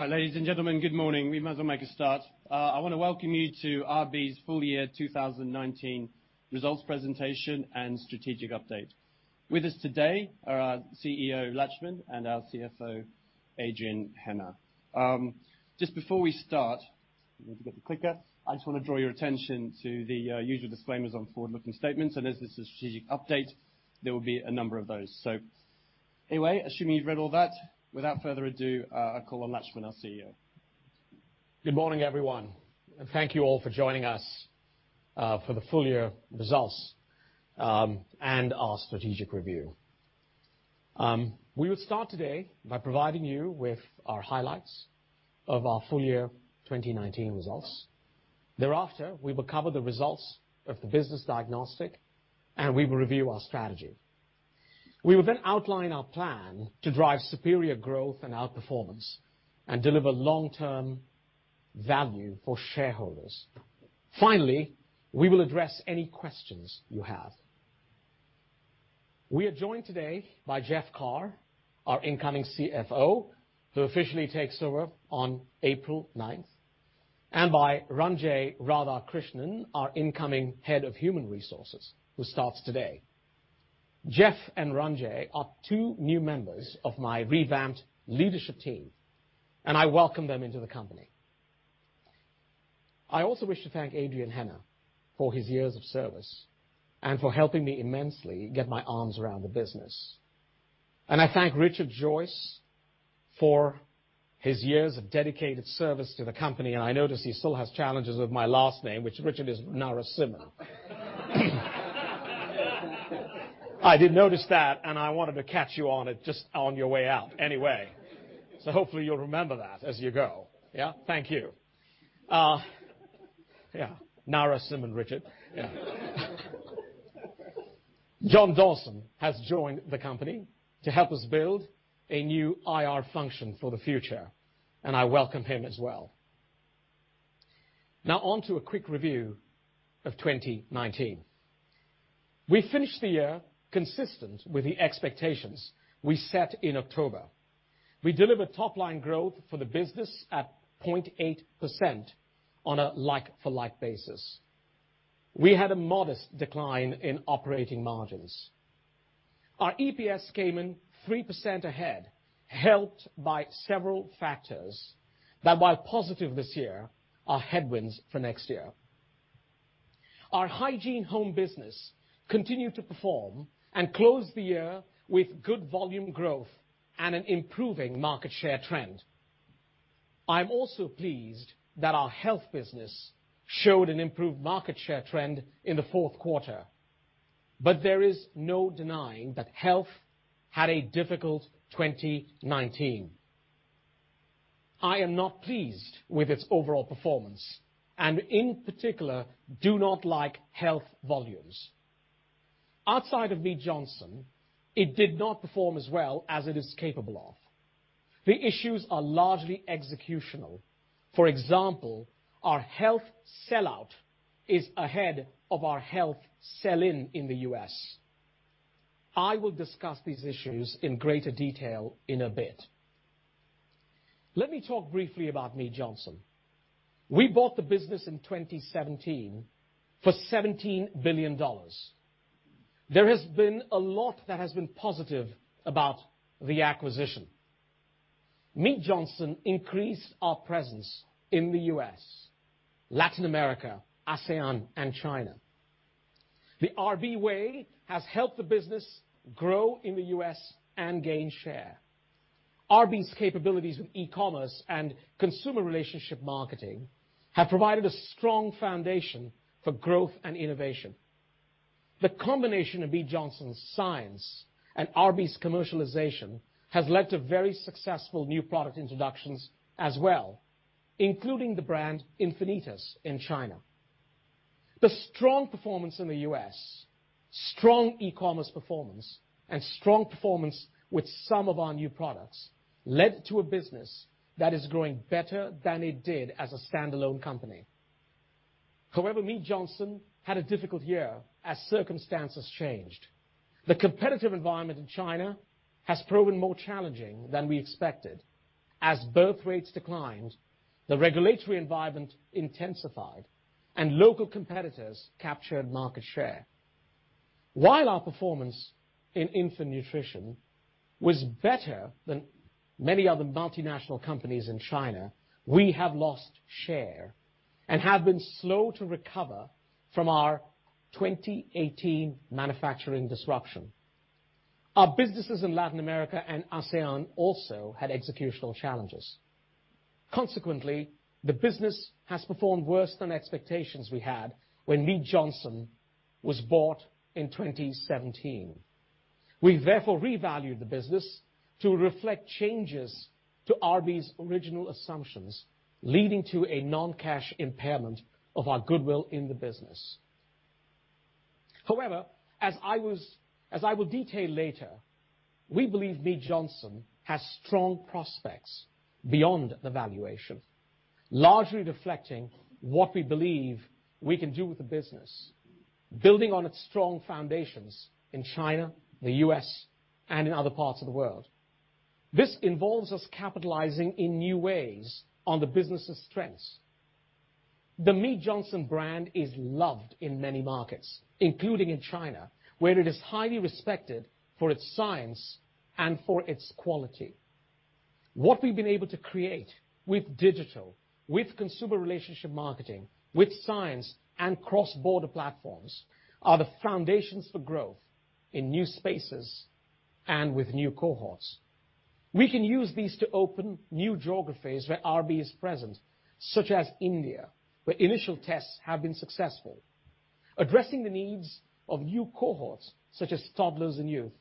Ladies and gentlemen, good morning. We might as well make a start. I want to welcome you to RB's full-year 2019 results presentation and strategic update. With us today are our CEO, Laxman, and our CFO, Adrian Hennah. Just before we start, wait till I get the clicker, I just want to draw your attention to the usual disclaimers on forward-looking statements. As this is a strategic update, there will be a number of those. Anyway, assuming you've read all that, without further ado, I call on Laxman, our CEO. Good morning, everyone. Thank you all for joining us for the full-year results, and our strategic review. We will start today by providing you with our highlights of our full-year 2019 results. We will cover the results of the business diagnostic and we will review our strategy. We will outline our plan to drive superior growth and outperformance, and deliver long-term value for shareholders. Finally, we will address any questions you have. We are joined today by Jeff Carr, our incoming CFO, who officially takes over on April 9th, and by Ranjay Radhakrishnan, our incoming Head of Human Resources, who starts today. Jeff and Ranjay are two new members of my revamped leadership team, and I welcome them into the company. I also wish to thank Adrian Hennah for his years of service and for helping me immensely get my arms around the business. I thank Richard Joyce for his years of dedicated service to the company, and I notice he still has challenges with my last name, which Richard is Narasimhan. I did notice that, and I wanted to catch you on it just on your way out anyway. Hopefully you'll remember that as you go. Yeah, thank you. Yeah. Narasimhan Richard. Yeah. John Dawson has joined the company to help us build a new IR function for the future, and I welcome him as well. Now on to a quick review of 2019. We finished the year consistent with the expectations we set in October. We delivered top-line growth for the business at 0.8% on a like-for-like basis. We had a modest decline in operating margins. Our EPS came in 3% ahead, helped by several factors that while positive this year, are headwinds for next year. Our Hygiene Home business continued to perform and closed the year with good volume growth and an improving market share trend. I'm also pleased that our Health business showed an improved market share trend in the fourth quarter, but there is no denying that Health had a difficult 2019. I am not pleased with its overall performance, and in particular, do not like Health volumes. Outside of Mead Johnson, it did not perform as well as it is capable of. The issues are largely executional. For example, our Health sell-out is ahead of our Health sell-in in the U.S. I will discuss these issues in greater detail in a bit. Let me talk briefly about Mead Johnson. We bought the business in 2017 for $17 billion. There has been a lot that has been positive about the acquisition. Mead Johnson increased our presence in the U.S., Latin America, ASEAN, and China. The RB way has helped the business grow in the U.S. and gain share. RB's capabilities with e-commerce and consumer relationship marketing have provided a strong foundation for growth and innovation. The combination of Mead Johnson's science and RB's commercialization has led to very successful new product introductions as well, including the brand Enfinitas in China. The strong performance in the U.S., strong e-commerce performance, and strong performance with some of our new products led to a business that is growing better than it did as a standalone company. However, Mead Johnson had a difficult year as circumstances changed. The competitive environment in China has proven more challenging than we expected as birth rates declined, the regulatory environment intensified, and local competitors captured market share. While our performance in infant nutrition was better than many other multinational companies in China, we have lost share and have been slow to recover from our 2018 manufacturing disruption. Our businesses in Latin America and ASEAN also had executional challenges. Consequently, the business has performed worse than expectations we had when Mead Johnson was bought in 2017. We therefore revalued the business to reflect changes to RB's original assumptions, leading to a non-cash impairment of our goodwill in the business. However, as I will detail later, we believe Mead Johnson has strong prospects beyond the valuation, largely reflecting what we believe we can do with the business, building on its strong foundations in China, the U.S., and in other parts of the world. This involves us capitalizing in new ways on the business's strengths. The Mead Johnson brand is loved in many markets, including in China, where it is highly respected for its science and for its quality. What we've been able to create with digital, with consumer relationship marketing, with science, and cross-border platforms are the foundations for growth in new spaces and with new cohorts. We can use these to open new geographies where RB is present, such as India, where initial tests have been successful. Addressing the needs of new cohorts, such as toddlers and youth,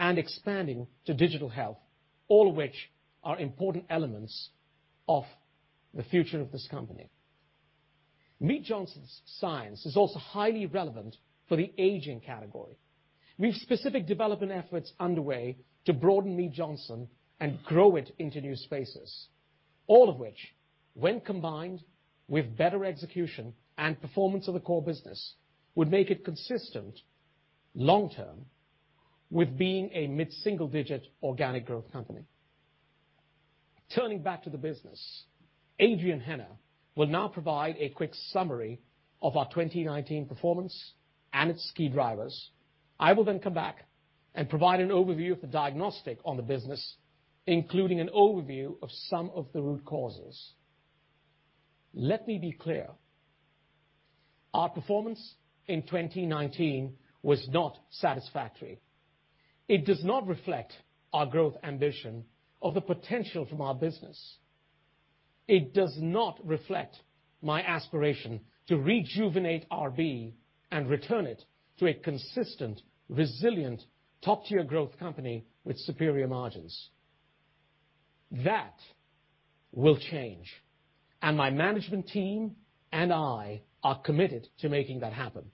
and expanding to digital health, all of which are important elements of the future of this company. Mead Johnson's science is also highly relevant for the aging category. We have specific development efforts underway to broaden Mead Johnson and grow it into new spaces. All of which, when combined with better execution and performance of the core business, would make it consistent long-term with being a mid-single-digit organic growth company. Turning back to the business, Adrian Hennah will now provide a quick summary of our 2019 performance and its key drivers. I will come back and provide an overview of the diagnostic on the business, including an overview of some of the root causes. Let me be clear, our performance in 2019 was not satisfactory. It does not reflect our growth ambition or the potential from our business. It does not reflect my aspiration to rejuvenate RB and return it to a consistent, resilient, top-tier growth company with superior margins. That will change, and my management team and I are committed to making that happen.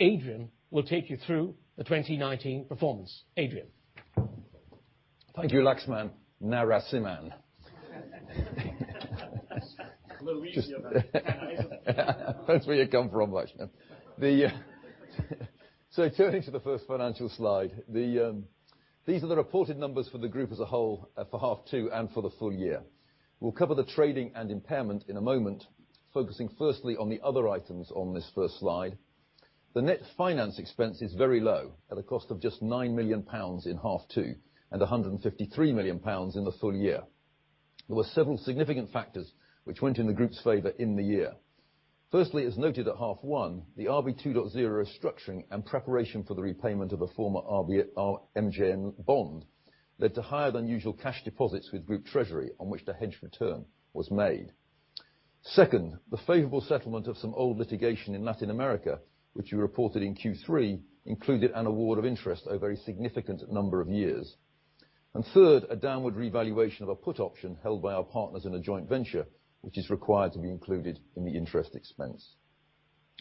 Adrian will take you through the 2019 performance. Adrian? Thank you, Laxman Narasimhan. A little easier. That's where you come from, Laxman. Turning to the first financial slide, these are the reported numbers for the group as a whole for half two and for the full-year. We'll cover the trading and impairment in a moment, focusing firstly on the other items on this first slide. The net finance expense is very low at a cost of just 9 million pounds in half two, and 153 million pounds in the full-year. There were several significant factors which went in the group's favor in the year. Firstly, as noted at half one, the RB 2.0 restructuring and preparation for the repayment of the former MJN bond led to higher than usual cash deposits with group treasury, on which the hedge return was made. Second, the favorable settlement of some old litigation in Latin America, which we reported in Q3, included an award of interest over a significant number of years. Third, a downward revaluation of a put option held by our partners in a joint venture, which is required to be included in the interest expense.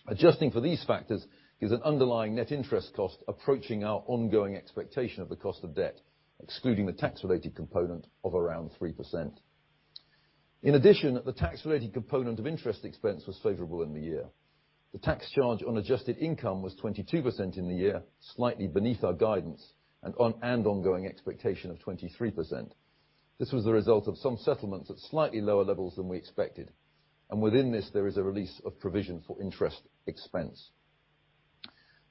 Adjusting for these factors gives an underlying net interest cost approaching our ongoing expectation of the cost of debt, excluding the tax-related component of around 3%. In addition, the tax-related component of interest expense was favorable in the year. The tax charge on adjusted income was 22% in the year, slightly beneath our guidance and ongoing expectation of 23%. This was the result of some settlements at slightly lower levels than we expected, and within this, there is a release of provision for interest expense.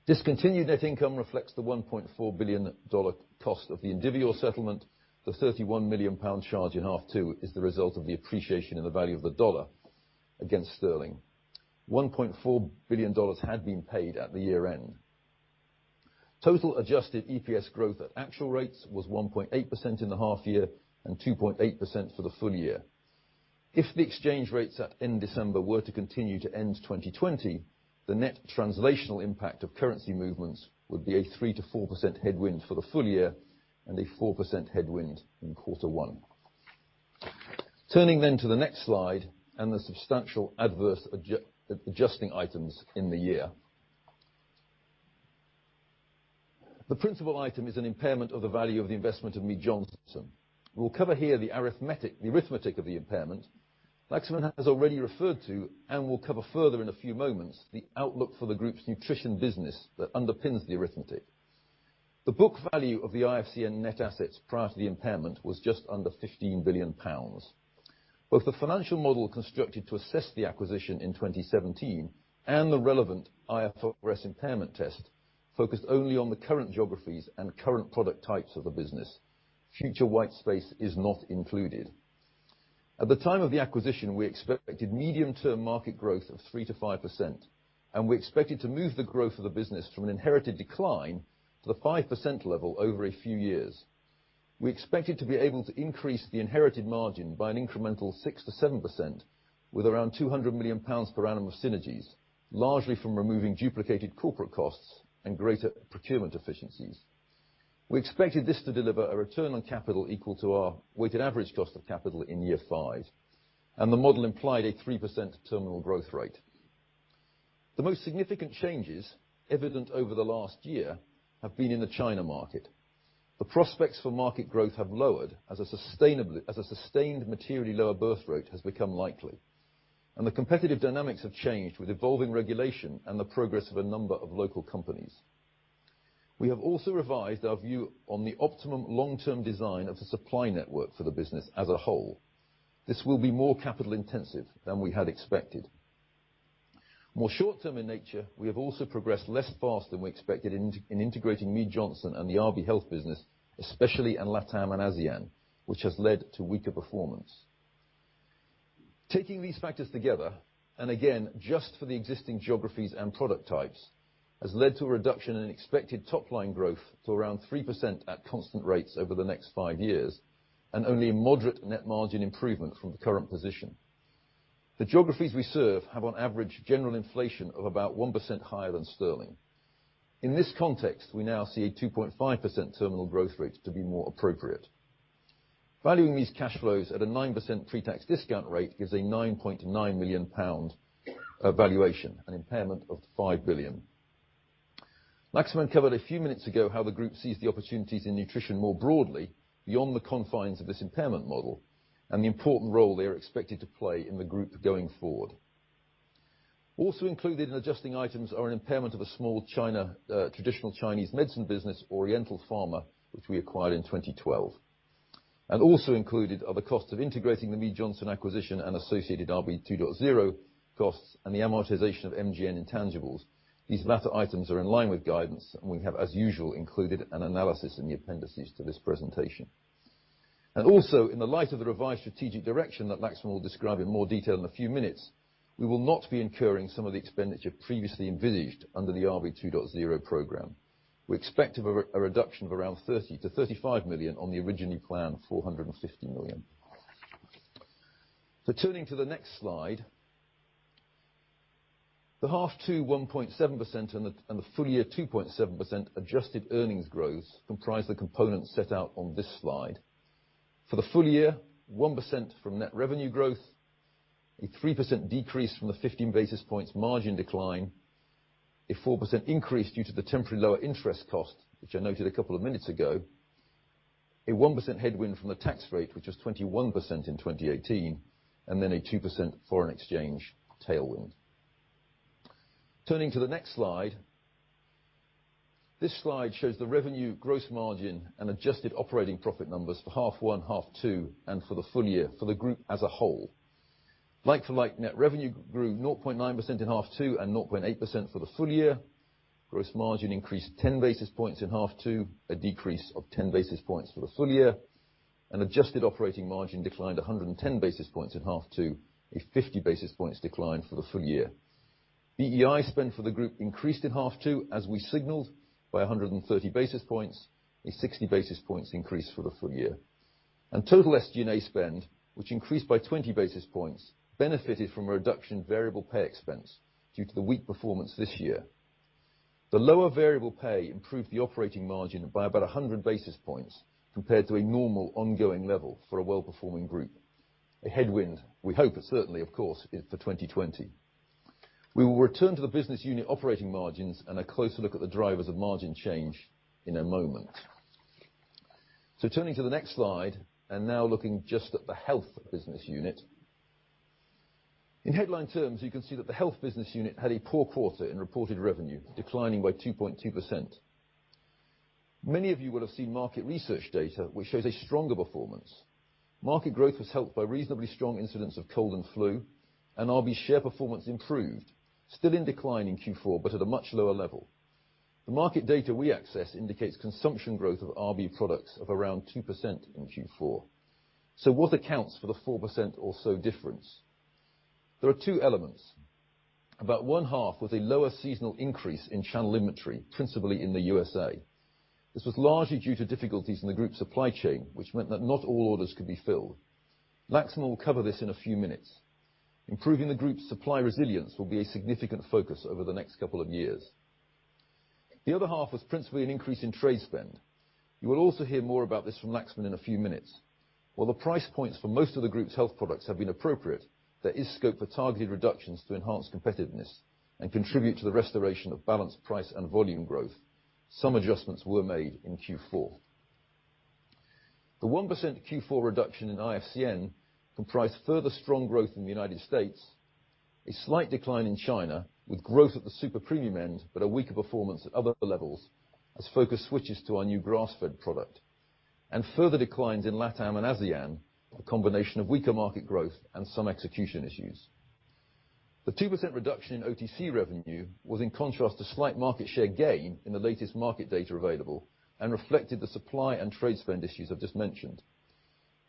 Discontinued net income reflects the $1.4 billion cost of the Indivior settlement. The £31 million charge in half two is the result of the appreciation in the value of the dollar against sterling. $1.4 billion had been paid at the year-end. Total adjusted EPS growth at actual rates was 1.8% in the half year and 2.8% for the full-year. If the exchange rates at end December were to continue to end 2020, the net translational impact of currency movements would be a 3%-4% headwind for the full-year and a 4% headwind in quarter one. Turning to the next slide and the substantial adverse adjusting items in the year. The principal item is an impairment of the value of the investment of Mead Johnson. We will cover here the arithmetic of the impairment. Laxman has already referred to, and will cover further in a few moments, the outlook for the group's nutrition business that underpins the arithmetic. The book value of the IFCN net assets prior to the impairment was just under 15 billion pounds. Both the financial model constructed to assess the acquisition in 2017 and the relevant IFRS impairment test focused only on the current geographies and current product types of the business. Future white space is not included. At the time of the acquisition, we expected medium-term market growth of 3%-5%, and we expected to move the growth of the business from an inherited decline to the 5% level over a few years. We expected to be able to increase the inherited margin by an incremental 6%-7% with around 200 million pounds per annum of synergies, largely from removing duplicated corporate costs and greater procurement efficiencies. We expected this to deliver a return on capital equal to our weighted average cost of capital in year five, and the model implied a 3% terminal growth rate. The most significant changes evident over the last year have been in the China market. The prospects for market growth have lowered as a sustained materially lower birth rate has become likely, and the competitive dynamics have changed with evolving regulation and the progress of a number of local companies. We have also revised our view on the optimum long-term design of the supply network for the business as a whole. This will be more capital intensive than we had expected. More short-term in nature, we have also progressed less fast than we expected in integrating Mead Johnson and the RB Health business, especially in LatAm and ASEAN, which has led to weaker performance. Taking these factors together, and again, just for the existing geographies and product types, has led to a reduction in expected top-line growth to around 3% at constant rates over the next five years, and only a moderate net margin improvement from the current position. The geographies we serve have on average general inflation of about 1% higher than sterling. In this context, we now see a 2.5% terminal growth rate to be more appropriate. Valuing these cash flows at a 9% pre-tax discount rate gives a 9.9 million pound valuation, an impairment of $5 billion. Laxman covered a few minutes ago how the group sees the opportunities in nutrition more broadly beyond the confines of this impairment model and the important role they are expected to play in the group going forward. Also included in adjusting items are an impairment of a small traditional Chinese medicine business, Golong Medicine, which we acquired in 2012. Also included are the cost of integrating the Mead Johnson acquisition and associated RB 2.0 costs and the amortization of MJN intangibles. These latter items are in line with guidance, and we have, as usual, included an analysis in the appendices to this presentation. Also, in the light of the revised strategic direction that Laxman will describe in more detail in a few minutes, we will not be incurring some of the expenditure previously envisaged under the RB 2.0 program. We expect a reduction of around 30 million-35 million on the originally planned 450 million. Turning to the next slide. The half to 1.7% and the full-year 2.7% adjusted earnings growth comprise the components set out on this slide. For the full-year, 1% from net revenue growth, a 3% decrease from the 15 basis points margin decline, a 4% increase due to the temporary lower interest cost, which I noted a couple of minutes ago, a 1% headwind from the tax rate, which was 21% in 2018, and then a 2% foreign exchange tailwind. Turning to the next slide. This slide shows the revenue growth margin and adjusted operating profit numbers for half one, half two, and for the full-year for the group as a whole. Like for like net revenue grew 0.9% in half two and 0.8% for the full-year. Gross margin increased 10 basis points in half two, a decrease of 10 basis points for the full-year. An adjusted operating margin declined 110 basis points in half two, a 50 basis points decline for the full-year. BEI spend for the group increased in half two as we signaled by 130 basis points, a 60 basis points increase for the full-year. Total SG&A spend, which increased by 20 basis points, benefited from a reduction in variable pay expense due to the weak performance this year. The lower variable pay improved the operating margin by about 100 basis points compared to a normal ongoing level for a well-performing group. A headwind we hope certainly, of course, for 2020. We will return to the business unit operating margins and a closer look at the drivers of margin change in a moment. Turning to the next slide, and now looking just at the health business unit. In headline terms, you can see that the health business unit had a poor quarter in reported revenue, declining by 2.2%. Many of you will have seen market research data which shows a stronger performance. Market growth was helped by reasonably strong incidents of cold and flu, and RB share performance improved, still in decline in Q4, but at a much lower level. The market data we access indicates consumption growth of RB products of around 2% in Q4. What accounts for the 4% or so difference? There are two elements. About one half was a lower seasonal increase in channel inventory, principally in the U.S.A. This was largely due to difficulties in the group supply chain, which meant that not all orders could be filled. Laxman will cover this in a few minutes. Improving the group's supply resilience will be a significant focus over the next couple of years. The other half was principally an increase in trade spend. You will also hear more about this from Laxman in a few minutes. While the price points for most of the group's health products have been appropriate, there is scope for targeted reductions to enhance competitiveness and contribute to the restoration of balanced price and volume growth. Some adjustments were made in Q4. The 1% Q4 reduction in IFCN comprised further strong growth in the United States, a slight decline in China with growth at the super premium end, but a weaker performance at other levels as focus switches to our new grass-fed product, and further declines in LatAm and ASEAN, a combination of weaker market growth and some execution issues. The 2% reduction in OTC revenue was in contrast to slight market share gain in the latest market data available and reflected the supply and trade spend issues I've just mentioned.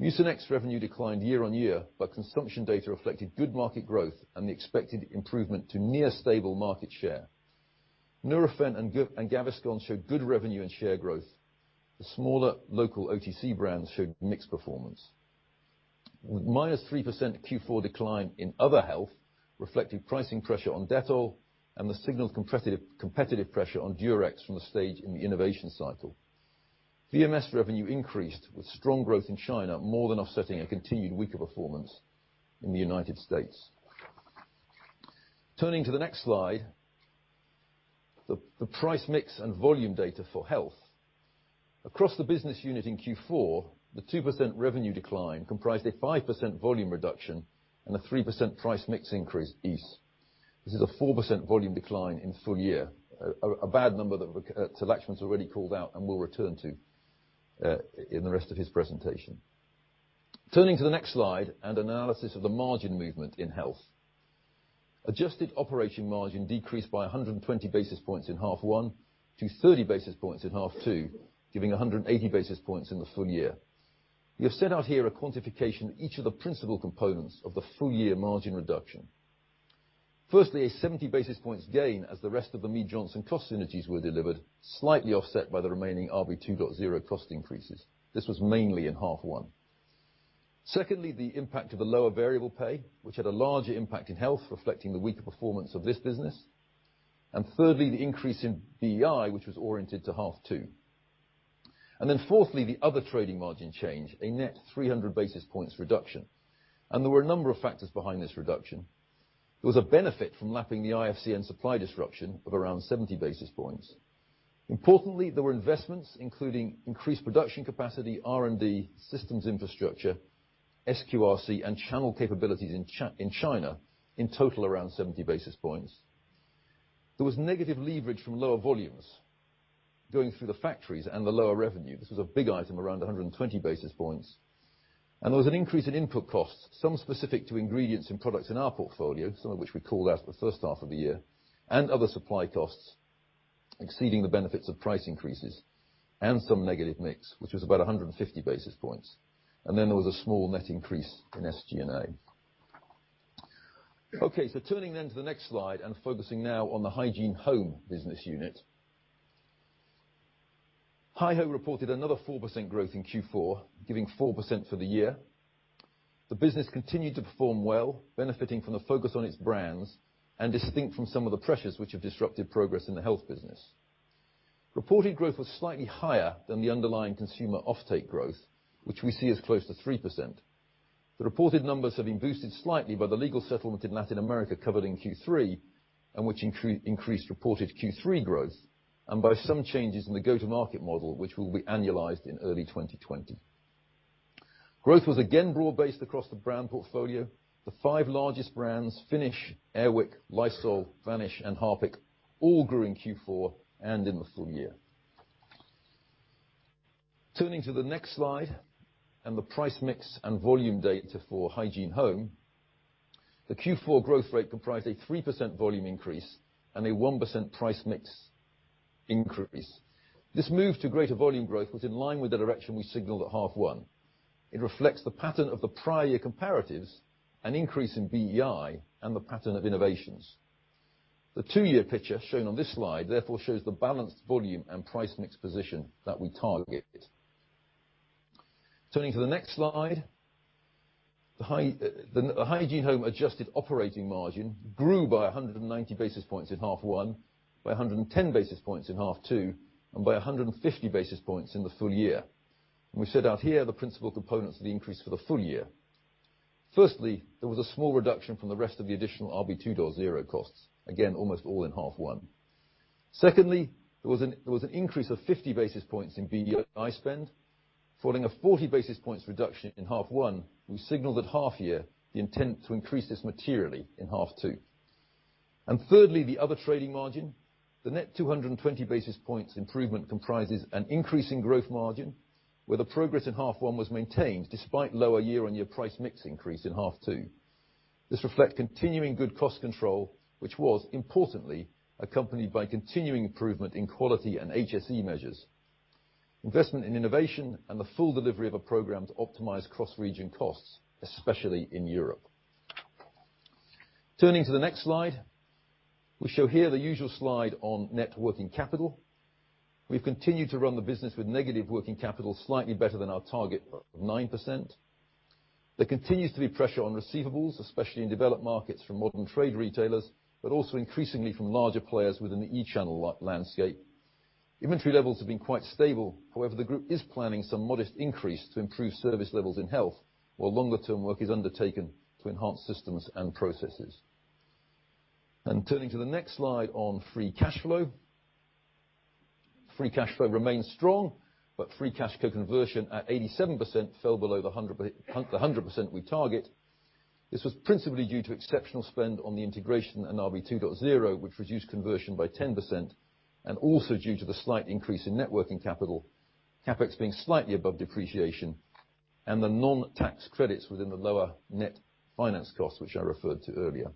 Mucinex revenue declined year-on-year, but consumption data reflected good market growth and the expected improvement to near stable market share. Nurofen and Gaviscon showed good revenue and share growth. The smaller local OTC brands showed mixed performance. -3% Q4 decline in other health reflecting pricing pressure on Dettol and the signaled competitive pressure on Durex from the stage in the innovation cycle. VMS revenue increased with strong growth in China more than offsetting a continued weaker performance in the U.S. Turning to the next slide, the price mix and volume data for health. Across the business unit in Q4, the 2% revenue decline comprised a 5% volume reduction and a 3% price mix increase. This is a 4% volume decline in full-year. A bad number that Laxman's already called out and will return to in the rest of his presentation. Turning to the next slide, analysis of the margin movement in health. Adjusted operating margin decreased by 120 basis points in half one to 30 basis points in half two, giving 180 basis points in the full-year. We have set out here a quantification of each of the principal components of the full-year margin reduction. Firstly, a 70 basis points gain as the rest of the Mead Johnson cost synergies were delivered, slightly offset by the remaining RB 2.0 cost increases. This was mainly in half one. Secondly, the impact of the lower variable pay, which had a larger impact in health, reflecting the weaker performance of this business. Thirdly, the increase in BEI, which was oriented to half two. Fourthly, the other trading margin change, a net 300 basis points reduction. There were a number of factors behind this reduction. There was a benefit from lapping the IFCN and supply disruption of around 70 basis points. Importantly, there were investments including increased production capacity, R&D, systems infrastructure, SQRC, and channel capabilities in China, in total around 70 basis points. There was negative leverage from lower volumes going through the factories and the lower revenue. This was a big item, around 120 basis points. There was an increase in input costs, some specific to ingredients and products in our portfolio, some of which we called out the first half of the year, and other supply costs exceeding the benefits of price increases and some negative mix, which was about 150 basis points. Then there was a small net increase in SG&A. Okay. Turning then to the next slide and focusing now on the Hygiene Home business unit. HyHo reported another 4% growth in Q4, giving 4% for the year. The business continued to perform well, benefiting from the focus on its brands, and distinct from some of the pressures which have disrupted progress in the health business. Reported growth was slightly higher than the underlying consumer offtake growth, which we see as close to 3%. The reported numbers have been boosted slightly by the legal settlement in Latin America covered in Q3, and which increased reported Q3 growth, and by some changes in the go-to-market model, which will be annualized in early 2020. Growth was again broad-based across the brand portfolio. The five largest brands, Finish, Air Wick, Lysol, Vanish, and Harpic, all grew in Q4 and in the full-year. Turning to the next slide and the price mix and volume data for Hygiene Home. The Q4 growth rate comprised a 3% volume increase and a 1% price mix increase. This move to greater volume growth was in line with the direction we signaled at half one. It reflects the pattern of the prior year comparatives, an increase in BEI, and the pattern of innovations. The two-year picture shown on this slide therefore shows the balanced volume and price mix position that we targeted. Turning to the next slide. The Hygiene Home adjusted operating margin grew by 190 basis points in half one, by 110 basis points in half two, and by 150 basis points in the full-year. We set out here the principal components of the increase for the full-year. Firstly, there was a small reduction from the rest of the additional RB 2.0 costs, again, almost all in half one. There was an increase of 50 basis points in BEI spend. Following a 40 basis points reduction in half one, we signaled at half year the intent to increase this materially in half two. Thirdly, the other trading margin. The net 220 basis points improvement comprises an increase in growth margin, where the progress in half one was maintained despite lower year-on-year price mix increase in half two. This reflect continuing good cost control, which was importantly accompanied by continuing improvement in quality and HSE measures, investment in innovation, and the full delivery of a program to optimize cross-region costs, especially in Europe. Turning to the next slide. We show here the usual slide on net working capital. We've continued to run the business with negative working capital slightly better than our target of 9%. There continues to be pressure on receivables, especially in developed markets from modern trade retailers, but also increasingly from larger players within the e-channel landscape. Inventory levels have been quite stable. The group is planning some modest increase to improve service levels in Health while longer-term work is undertaken to enhance systems and processes. Turning to the next slide on free cash flow. Free cash flow remains strong, but free cash flow conversion at 87% fell below the 100% we target. This was principally due to exceptional spend on the integration in RB 2.0, which reduced conversion by 10%, and also due to the slight increase in net working capital, CapEx being slightly above depreciation, and the non-tax credits within the lower net finance costs, which I referred to earlier.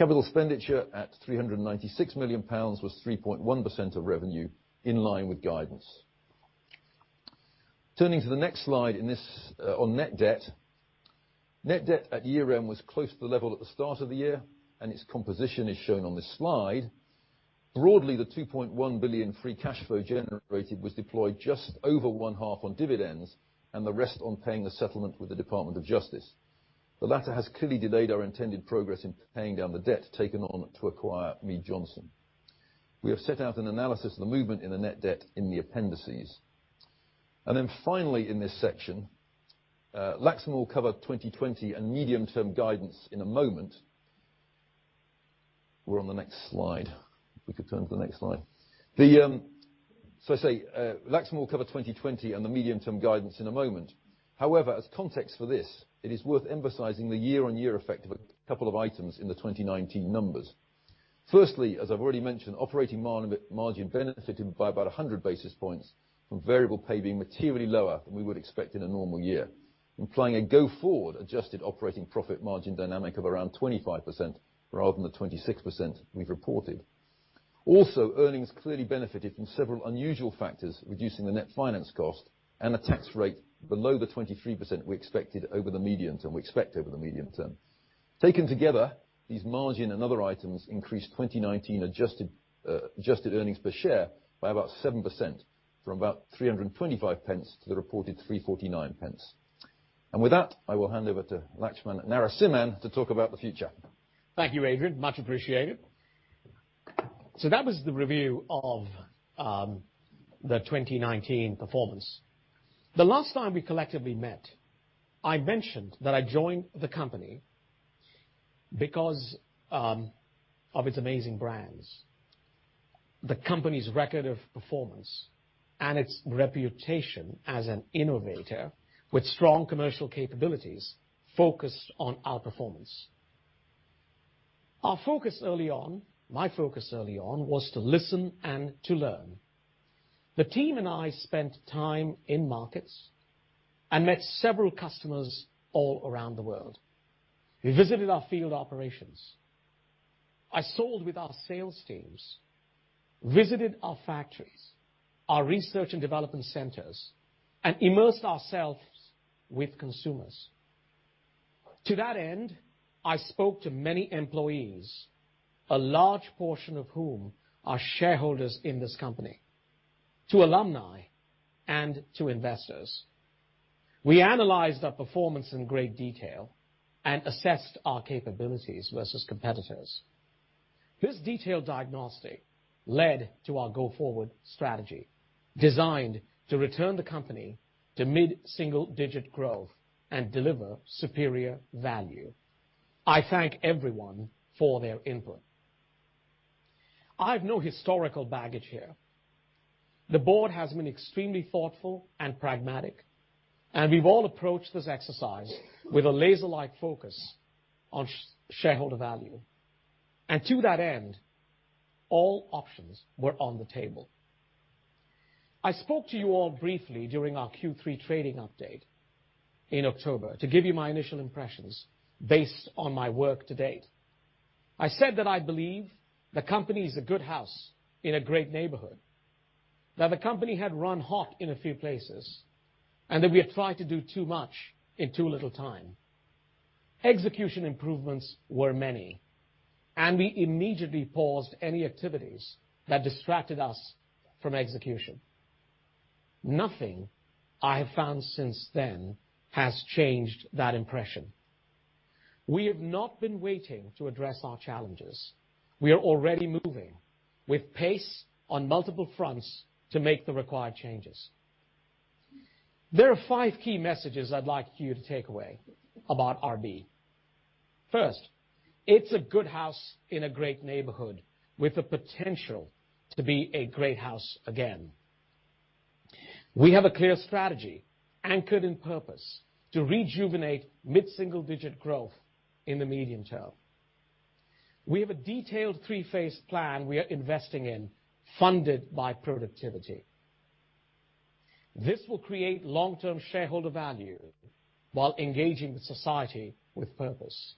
Capital expenditure at 396 million pounds was 3.1% of revenue, in line with guidance. Turning to the next slide on net debt. Net debt at year-end was close to the level at the start of the year, and its composition is shown on this slide. Broadly, the 2.1 billion free cash flow generated was deployed just over one half on dividends and the rest on paying the settlement with the Department of Justice. The latter has clearly delayed our intended progress in paying down the debt taken on to acquire Mead Johnson. We have set out an analysis of the movement in the net debt in the appendices. Then finally, in this section, Laxman will cover 2020 and medium-term guidance in a moment. We are on the next slide. If we could turn to the next slide. I say Laxman will cover 2020 and the medium-term guidance in a moment. However, as context for this, it is worth emphasizing the year-on-year effect of a couple of items in the 2019 numbers. Firstly, as I've already mentioned, operating margin benefited by about 100 basis points from variable pay being materially lower than we would expect in a normal year, implying a go-forward adjusted operating profit margin dynamic of around 25% rather than the 26% we've reported. Also, earnings clearly benefited from several unusual factors, reducing the net finance cost and a tax rate below the 23% we expected over the medium term, we expect over the medium-term. Taken together, these margin and other items increased 2019 adjusted earnings per share by about 7%, from about 3.25 to the reported 3.49. With that, I will hand over to Laxman Narasimhan to talk about the future. Thank you, Adrian. Much appreciated. That was the review of the 2019 performance. The last time we collectively met, I mentioned that I joined the company because of its amazing brands, the company's record of performance, and its reputation as an innovator with strong commercial capabilities focused on outperformance. Our focus early on, my focus early on, was to listen and to learn. The team and I spent time in markets and met several customers all around the world. We visited our field operations. I sold with our sales teams, visited our factories, our research and development centers, and immersed ourselves with consumers. To that end, I spoke to many employees, a large portion of whom are shareholders in this company, to alumni and to investors. We analyzed our performance in great detail and assessed our capabilities versus competitors. This detailed diagnostic led to our go-forward strategy, designed to return the company to mid-single digit growth and deliver superior value. I thank everyone for their input. I have no historical baggage here. The board has been extremely thoughtful and pragmatic, and we've all approached this exercise with a laser-like focus on shareholder value. To that end, all options were on the table. I spoke to you all briefly during our Q3 trading update in October to give you my initial impressions based on my work to date. I said that I believe the company is a good house in a great neighborhood, that the company had run hot in a few places, and that we had tried to do too much in too little time. Execution improvements were many, and we immediately paused any activities that distracted us from execution. Nothing I have found since then has changed that impression. We have not been waiting to address our challenges. We are already moving with pace on multiple fronts to make the required changes. There are five key messages I'd like you to take away about RB. First, it's a good house in a great neighborhood with the potential to be a great house again. We have a clear strategy anchored in purpose to rejuvenate mid-single digit growth in the medium term. We have a detailed three-phase plan we are investing in, funded by productivity. This will create long-term shareholder value while engaging the society with purpose.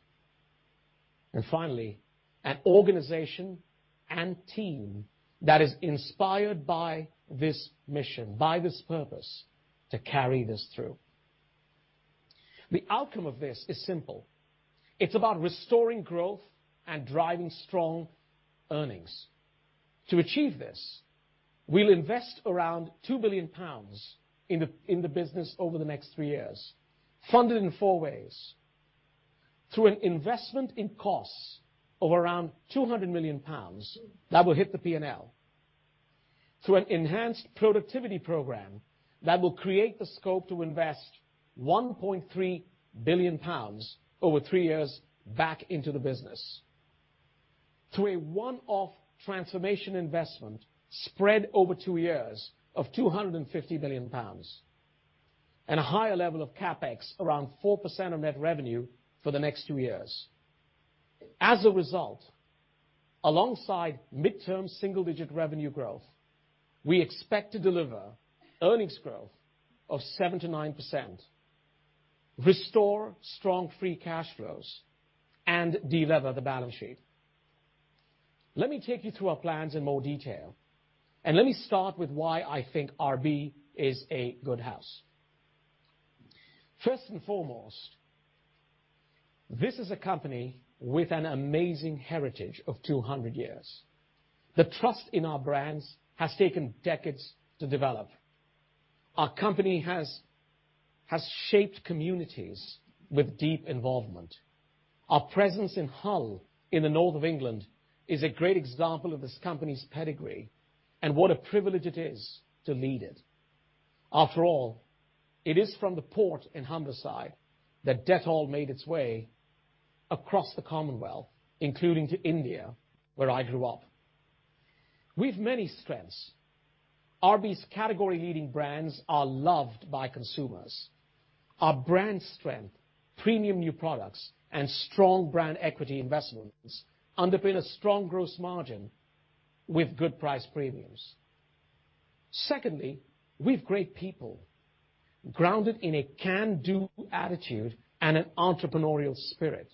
Finally, an organization and team that is inspired by this mission, by this purpose to carry this through. The outcome of this is simple. It's about restoring growth and driving strong earnings. To achieve this, we will invest around 2 billion pounds in the business over the next three years, funded in four ways: through an investment in costs of around 200 million pounds that will hit the P&L, through an enhanced productivity program that will create the scope to invest 1.3 billion pounds over three years back into the business, through a one-off transformation investment spread over two years of 250 million pounds, and a higher level of CapEx, around 4% of net revenue for the next two years. As a result, alongside midterm single-digit revenue growth, we expect to deliver earnings growth of 7%-9%, restore strong free cash flows, and de-lever the balance sheet. Let me take you through our plans in more detail. Let me start with why I think RB is a good house. First and foremost, this is a company with an amazing heritage of 200 years. The trust in our brands has taken decades to develop. Our company has shaped communities with deep involvement. Our presence in Hull in the north of England is a great example of this company's pedigree, and what a privilege it is to lead it. After all, it is from the port in Humberside that Dettol made its way across the Commonwealth, including to India, where I grew up. We have many strengths. RB's category leading brands are loved by consumers. Our brand strength, premium new products, and strong brand equity investments underpin a strong gross margin with good price premiums. Secondly, we've great people, grounded in a can-do attitude and an entrepreneurial spirit.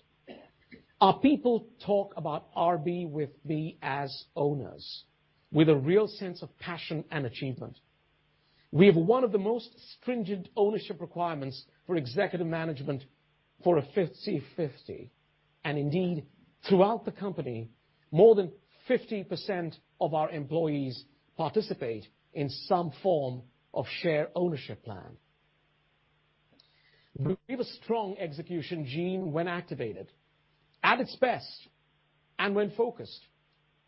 Our people talk about RB with me as owners, with a real sense of passion and achievement. We have one of the most stringent ownership requirements for executive management for a 50/50, and indeed, throughout the company, more than 50% of our employees participate in some form of share ownership plan. We have a strong execution gene when activated. At its best, and when focused,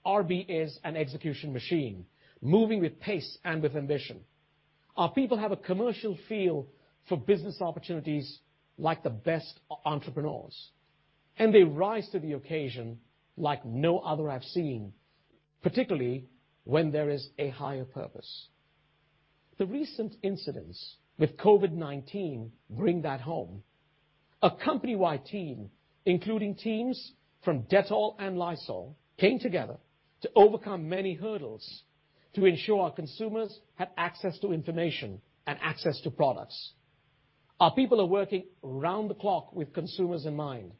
RB is an execution machine, moving with pace and with ambition. Our people have a commercial feel for business opportunities like the best entrepreneurs, and they rise to the occasion like no other I've seen, particularly when there is a higher purpose. The recent incidents with COVID-19 bring that home. A company-wide team, including teams from Dettol and Lysol, came together to overcome many hurdles to ensure our consumers had access to information and access to products. Our people are working around the clock with consumers in mind.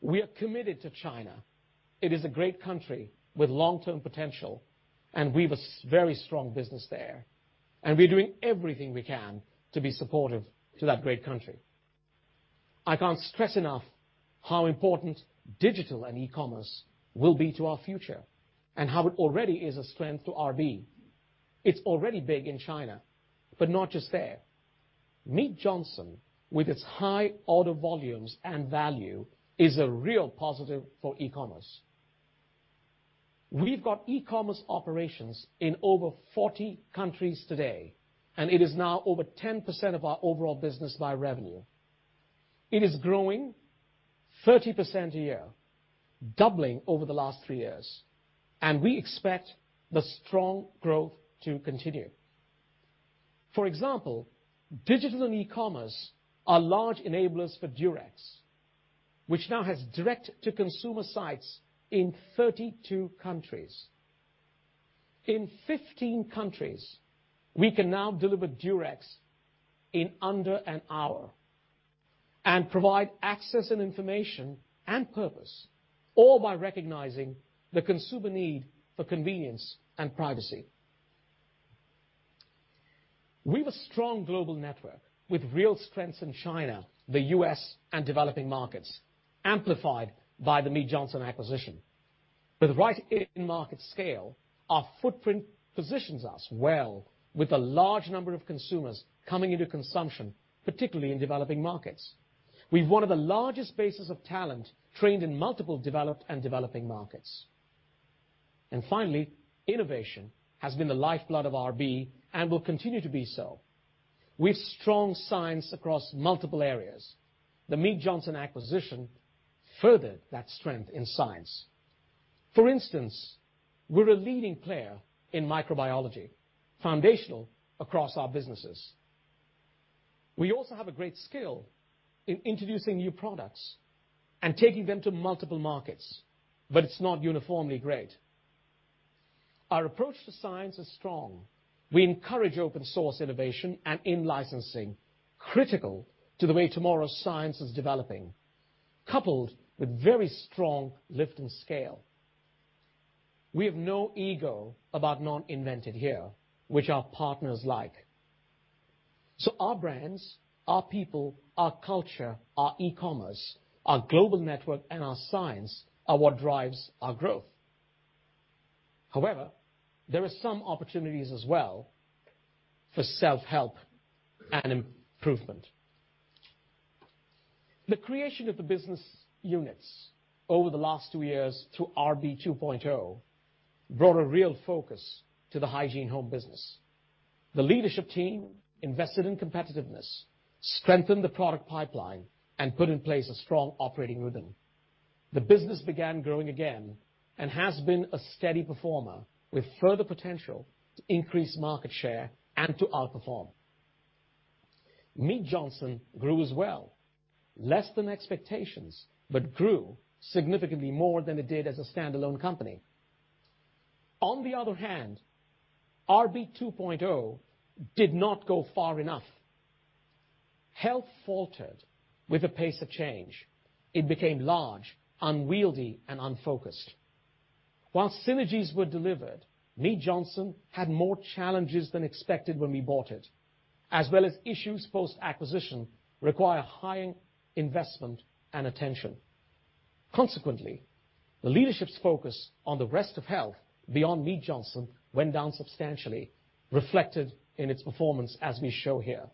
We are committed to China. It is a great country with long-term potential, and we've a very strong business there, and we're doing everything we can to be supportive to that great country. I can't stress enough how important digital and e-commerce will be to our future and how it already is a strength to RB. It's already big in China, but not just there. Mead Johnson, with its high order volumes and value, is a real positive for e-commerce. We've got e-commerce operations in over 40 countries today, and it is now over 10% of our overall business by revenue. It is growing 30% a year, doubling over the last three years, and we expect the strong growth to continue. For example, digital and e-commerce are large enablers for Durex, which now has direct-to-consumer sites in 32 countries. In 15 countries, we can now deliver Durex in under an hour and provide access and information and purpose, all by recognizing the consumer need for convenience and privacy. We have a strong global network with real strengths in China, the U.S., and developing markets, amplified by the Mead Johnson acquisition. With right in-market scale, our footprint positions us well with a large number of consumers coming into consumption, particularly in developing markets. We've one of the largest bases of talent trained in multiple developed and developing markets. Finally, innovation has been the lifeblood of RB and will continue to be so. We have strong science across multiple areas. The Mead Johnson acquisition furthered that strength in science. For instance, we're a leading player in microbiology, foundational across our businesses. We also have a great skill in introducing new products and taking them to multiple markets, but it's not uniformly great. Our approach to science is strong. We encourage open-source innovation and in-licensing, critical to the way tomorrow's science is developing, coupled with very strong lift and scale. We have no ego about not-invented-here, which our partners like. Our brands, our people, our culture, our e-commerce, our global network, and our science are what drives our growth. There are some opportunities as well for self-help and improvement. The creation of the business units over the last two years through RB 2.0 brought a real focus to the Hygiene Home business. The leadership team invested in competitiveness, strengthened the product pipeline, and put in place a strong operating rhythm. The business began growing again and has been a steady performer with further potential to increase market share and to outperform. Mead Johnson grew as well, less than expectations, but grew significantly more than it did as a standalone company. RB 2.0 did not go far enough. Health faltered with the pace of change. It became large, unwieldy, and unfocused. While synergies were delivered, Mead Johnson had more challenges than expected when we bought it, as well as issues post-acquisition require high investment and attention. The leadership's focus on the rest of health beyond Mead Johnson went down substantially, reflected in its performance as we show here.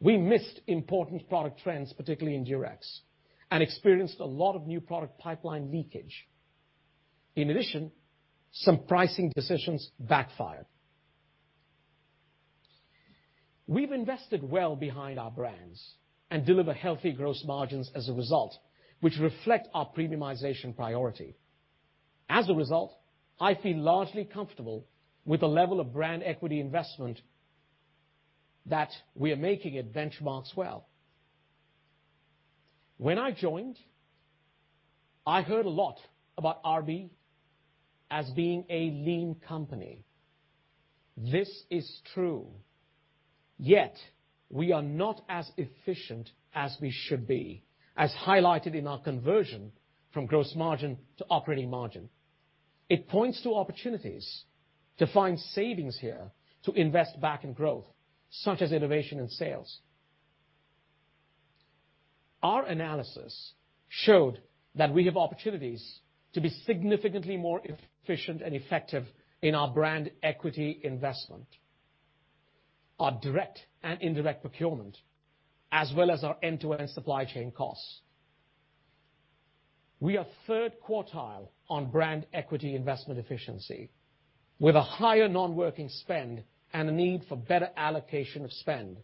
We missed important product trends, particularly in Durex, and experienced a lot of new product pipeline leakage. Some pricing decisions backfired. We've invested well behind our brands and deliver healthy gross margins as a result, which reflect our premiumization priority. As a result, I feel largely comfortable with the level of brand equity investment that we are making. It benchmarks well. When I joined, I heard a lot about RB as being a lean company. This is true. We are not as efficient as we should be, as highlighted in our conversion from gross margin to operating margin. It points to opportunities to find savings here to invest back in growth, such as innovation and sales. Our analysis showed that we have opportunities to be significantly more efficient and effective in our brand equity investment, our direct and indirect procurement, as well as our end-to-end supply chain costs. We are third quartile on brand equity investment efficiency with a higher non-working spend and a need for better allocation of spend.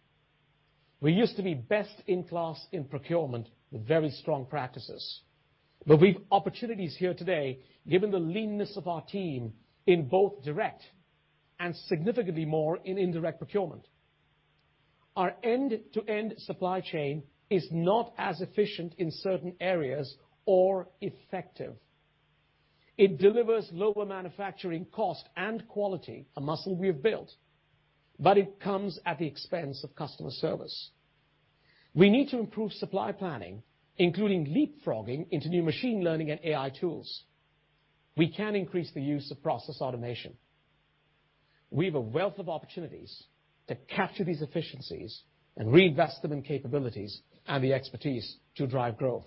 We used to be best in class in procurement with very strong practices, but we've opportunities here today, given the leanness of our team in both direct and significantly more in indirect procurement. Our end-to-end supply chain is not as efficient in certain areas or effective. It delivers lower manufacturing cost and quality, a muscle we have built, but it comes at the expense of customer service. We need to improve supply planning, including leapfrogging into new machine learning and AI tools. We can increase the use of process automation. We have a wealth of opportunities to capture these efficiencies and reinvest them in capabilities and the expertise to drive growth.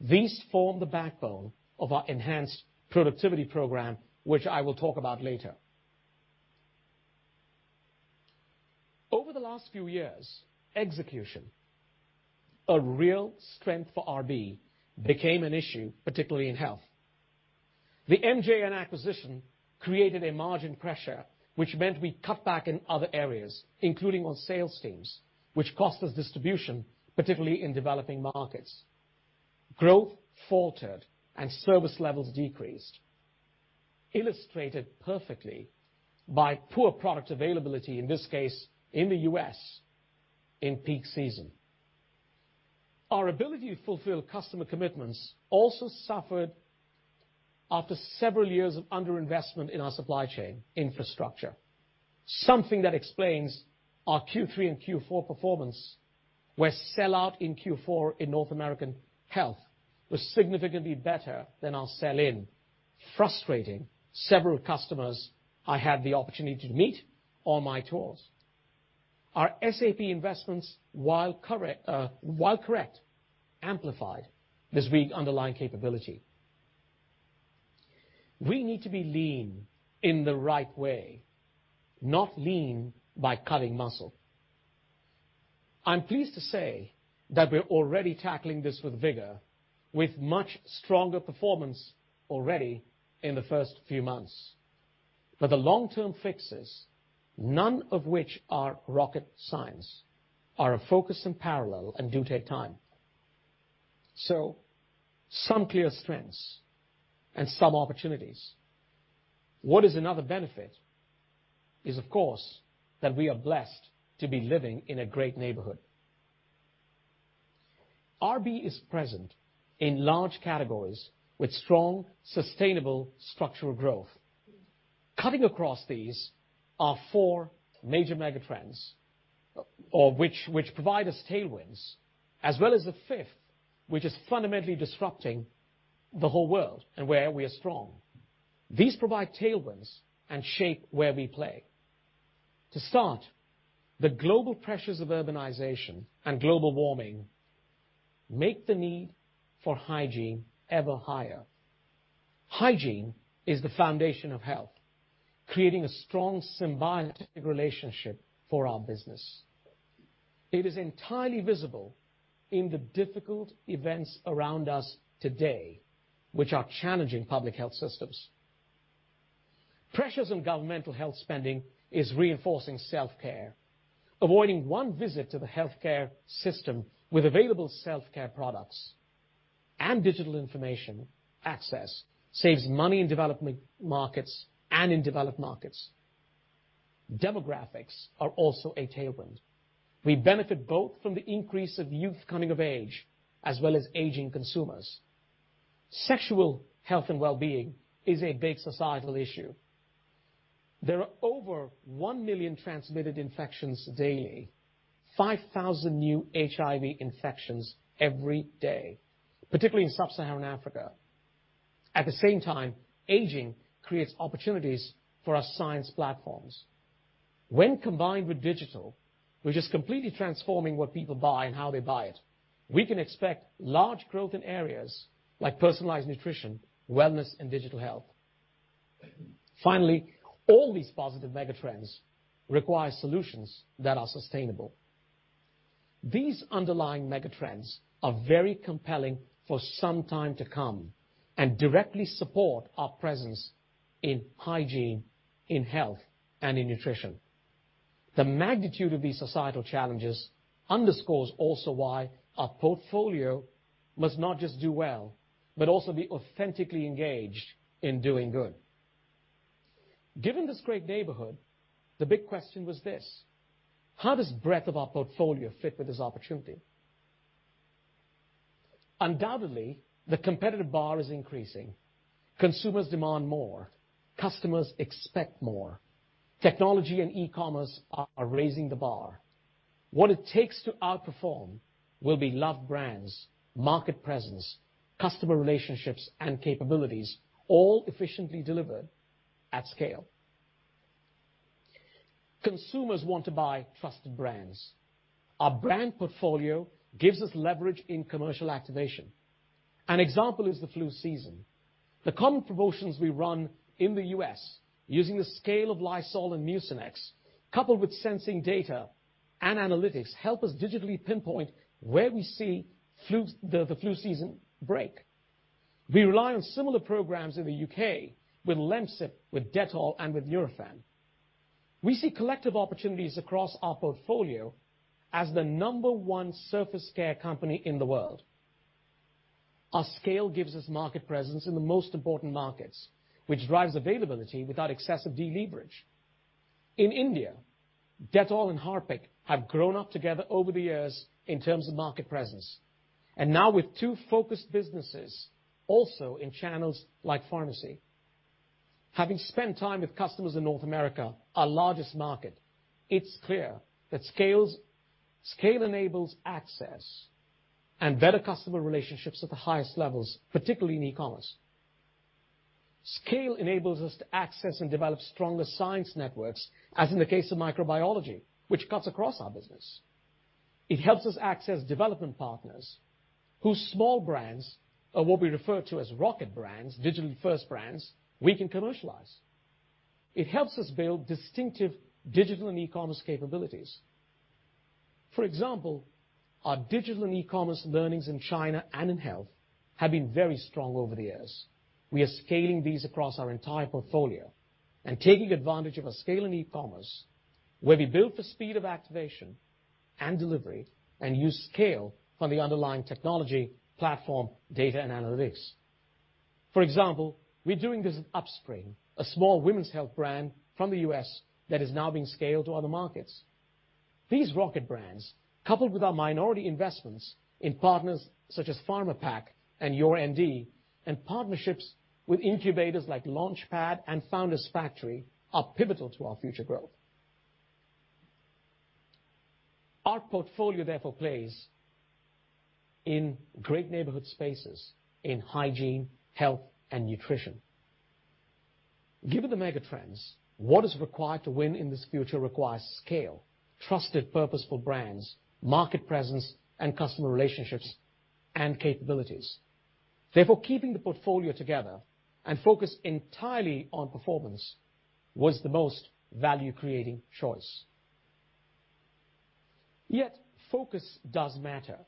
These form the backbone of our enhanced productivity program, which I will talk about later. Over the last few years, execution, a real strength for RB, became an issue, particularly in health. The MJN acquisition created a margin pressure, which meant we cut back in other areas, including on sales teams, which cost us distribution, particularly in developing markets. Growth faltered and service levels decreased, illustrated perfectly by poor product availability, in this case, in the U.S. in peak season. Our ability to fulfill customer commitments also suffered after several years of underinvestment in our supply chain infrastructure. Something that explains our Q3 and Q4 performance, where sell-out in Q4 in North American health was significantly better than our sell-in, frustrating several customers I had the opportunity to meet on my tours. Our SAP investments, while correct, amplified this weak underlying capability. We need to be lean in the right way, not lean by cutting muscle. I'm pleased to say that we're already tackling this with vigor, with much stronger performance already in the first few months. The long-term fixes, none of which are rocket science, are a focus in parallel and do take time. Some clear strengths and some opportunities. What is another benefit is, of course, that we are blessed to be living in a great neighborhood. RB is present in large categories with strong, sustainable structural growth. Cutting across these are four major mega trends, which provide us tailwinds, as well as the fifth, which is fundamentally disrupting the whole world and where we are strong. These provide tailwinds and shape where we play. To start, the global pressures of urbanization and global warming make the need for hygiene ever higher. Hygiene is the foundation of health, creating a strong symbiotic relationship for our business. It is entirely visible in the difficult events around us today, which are challenging public health systems. Pressures on governmental health spending is reinforcing self-care, avoiding one visit to the healthcare system with available self-care products and digital information access saves money in developing markets and in developed markets. Demographics are also a tailwind. We benefit both from the increase of youth coming of age as well as aging consumers. Sexual health and wellbeing is a big societal issue. There are over 1 million transmitted infections daily, 5,000 new HIV infections every day, particularly in sub-Saharan Africa. At the same time, aging creates opportunities for our science platforms. When combined with digital, which is completely transforming what people buy and how they buy it, we can expect large growth in areas like personalized nutrition, wellness, and digital health. Finally, all these positive mega trends require solutions that are sustainable. These underlying mega trends are very compelling for some time to come, and directly support our presence in hygiene, in health, and in nutrition. The magnitude of these societal challenges underscores also why our portfolio must not just do well, but also be authentically engaged in doing good. Given this great neighborhood, the big question was this, how does breadth of our portfolio fit with this opportunity? Undoubtedly, the competitive bar is increasing. Consumers demand more. Customers expect more. Technology and e-commerce are raising the bar. What it takes to outperform will be loved brands, market presence, customer relationships, and capabilities all efficiently delivered at scale. Consumers want to buy trusted brands. Our brand portfolio gives us leverage in commercial activation. An example is the flu season. The common promotions we run in the U.S., using the scale of Lysol and Mucinex, coupled with sensing data and analytics, help us digitally pinpoint where we see the flu season break. We rely on similar programs in the U.K. with Lemsip, with Dettol, and with Nurofen. We see collective opportunities across our portfolio as the number one surface care company in the world. Our scale gives us market presence in the most important markets, which drives availability without excessive deleverage. In India, Dettol and Harpic have grown up together over the years in terms of market presence, and now with two focused businesses, also in channels like pharmacy. Having spent time with customers in North America, our largest market, it's clear that scale enables access and better customer relationships at the highest levels, particularly in e-commerce. Scale enables us to access and develop stronger science networks, as in the case of microbiology, which cuts across our business. It helps us access development partners whose small brands are what we refer to as rocket brands, digital-first brands we can commercialize. It helps us build distinctive digital and e-commerce capabilities. For example, our digital and e-commerce learnings in China and in health have been very strong over the years. We are scaling these across our entire portfolio and taking advantage of our scale in e-commerce, where we build for speed of activation and delivery and use scale from the underlying technology platform, data, and analytics. For example, we're doing this with UpSpring, a small women's health brand from the U.S. that is now being scaled to other markets. These rocket brands, coupled with our minority investments in partners such as Pharmapack and Your.MD, and partnerships with incubators like Launchpad and Founders Factory, are pivotal to our future growth. Our portfolio plays in great neighborhood spaces in hygiene, health, and nutrition. Given the mega trends, what is required to win in this future requires scale, trusted purposeful brands, market presence, and customer relationships and capabilities. Keeping the portfolio together and focused entirely on performance was the most value-creating choice. Focus does matter.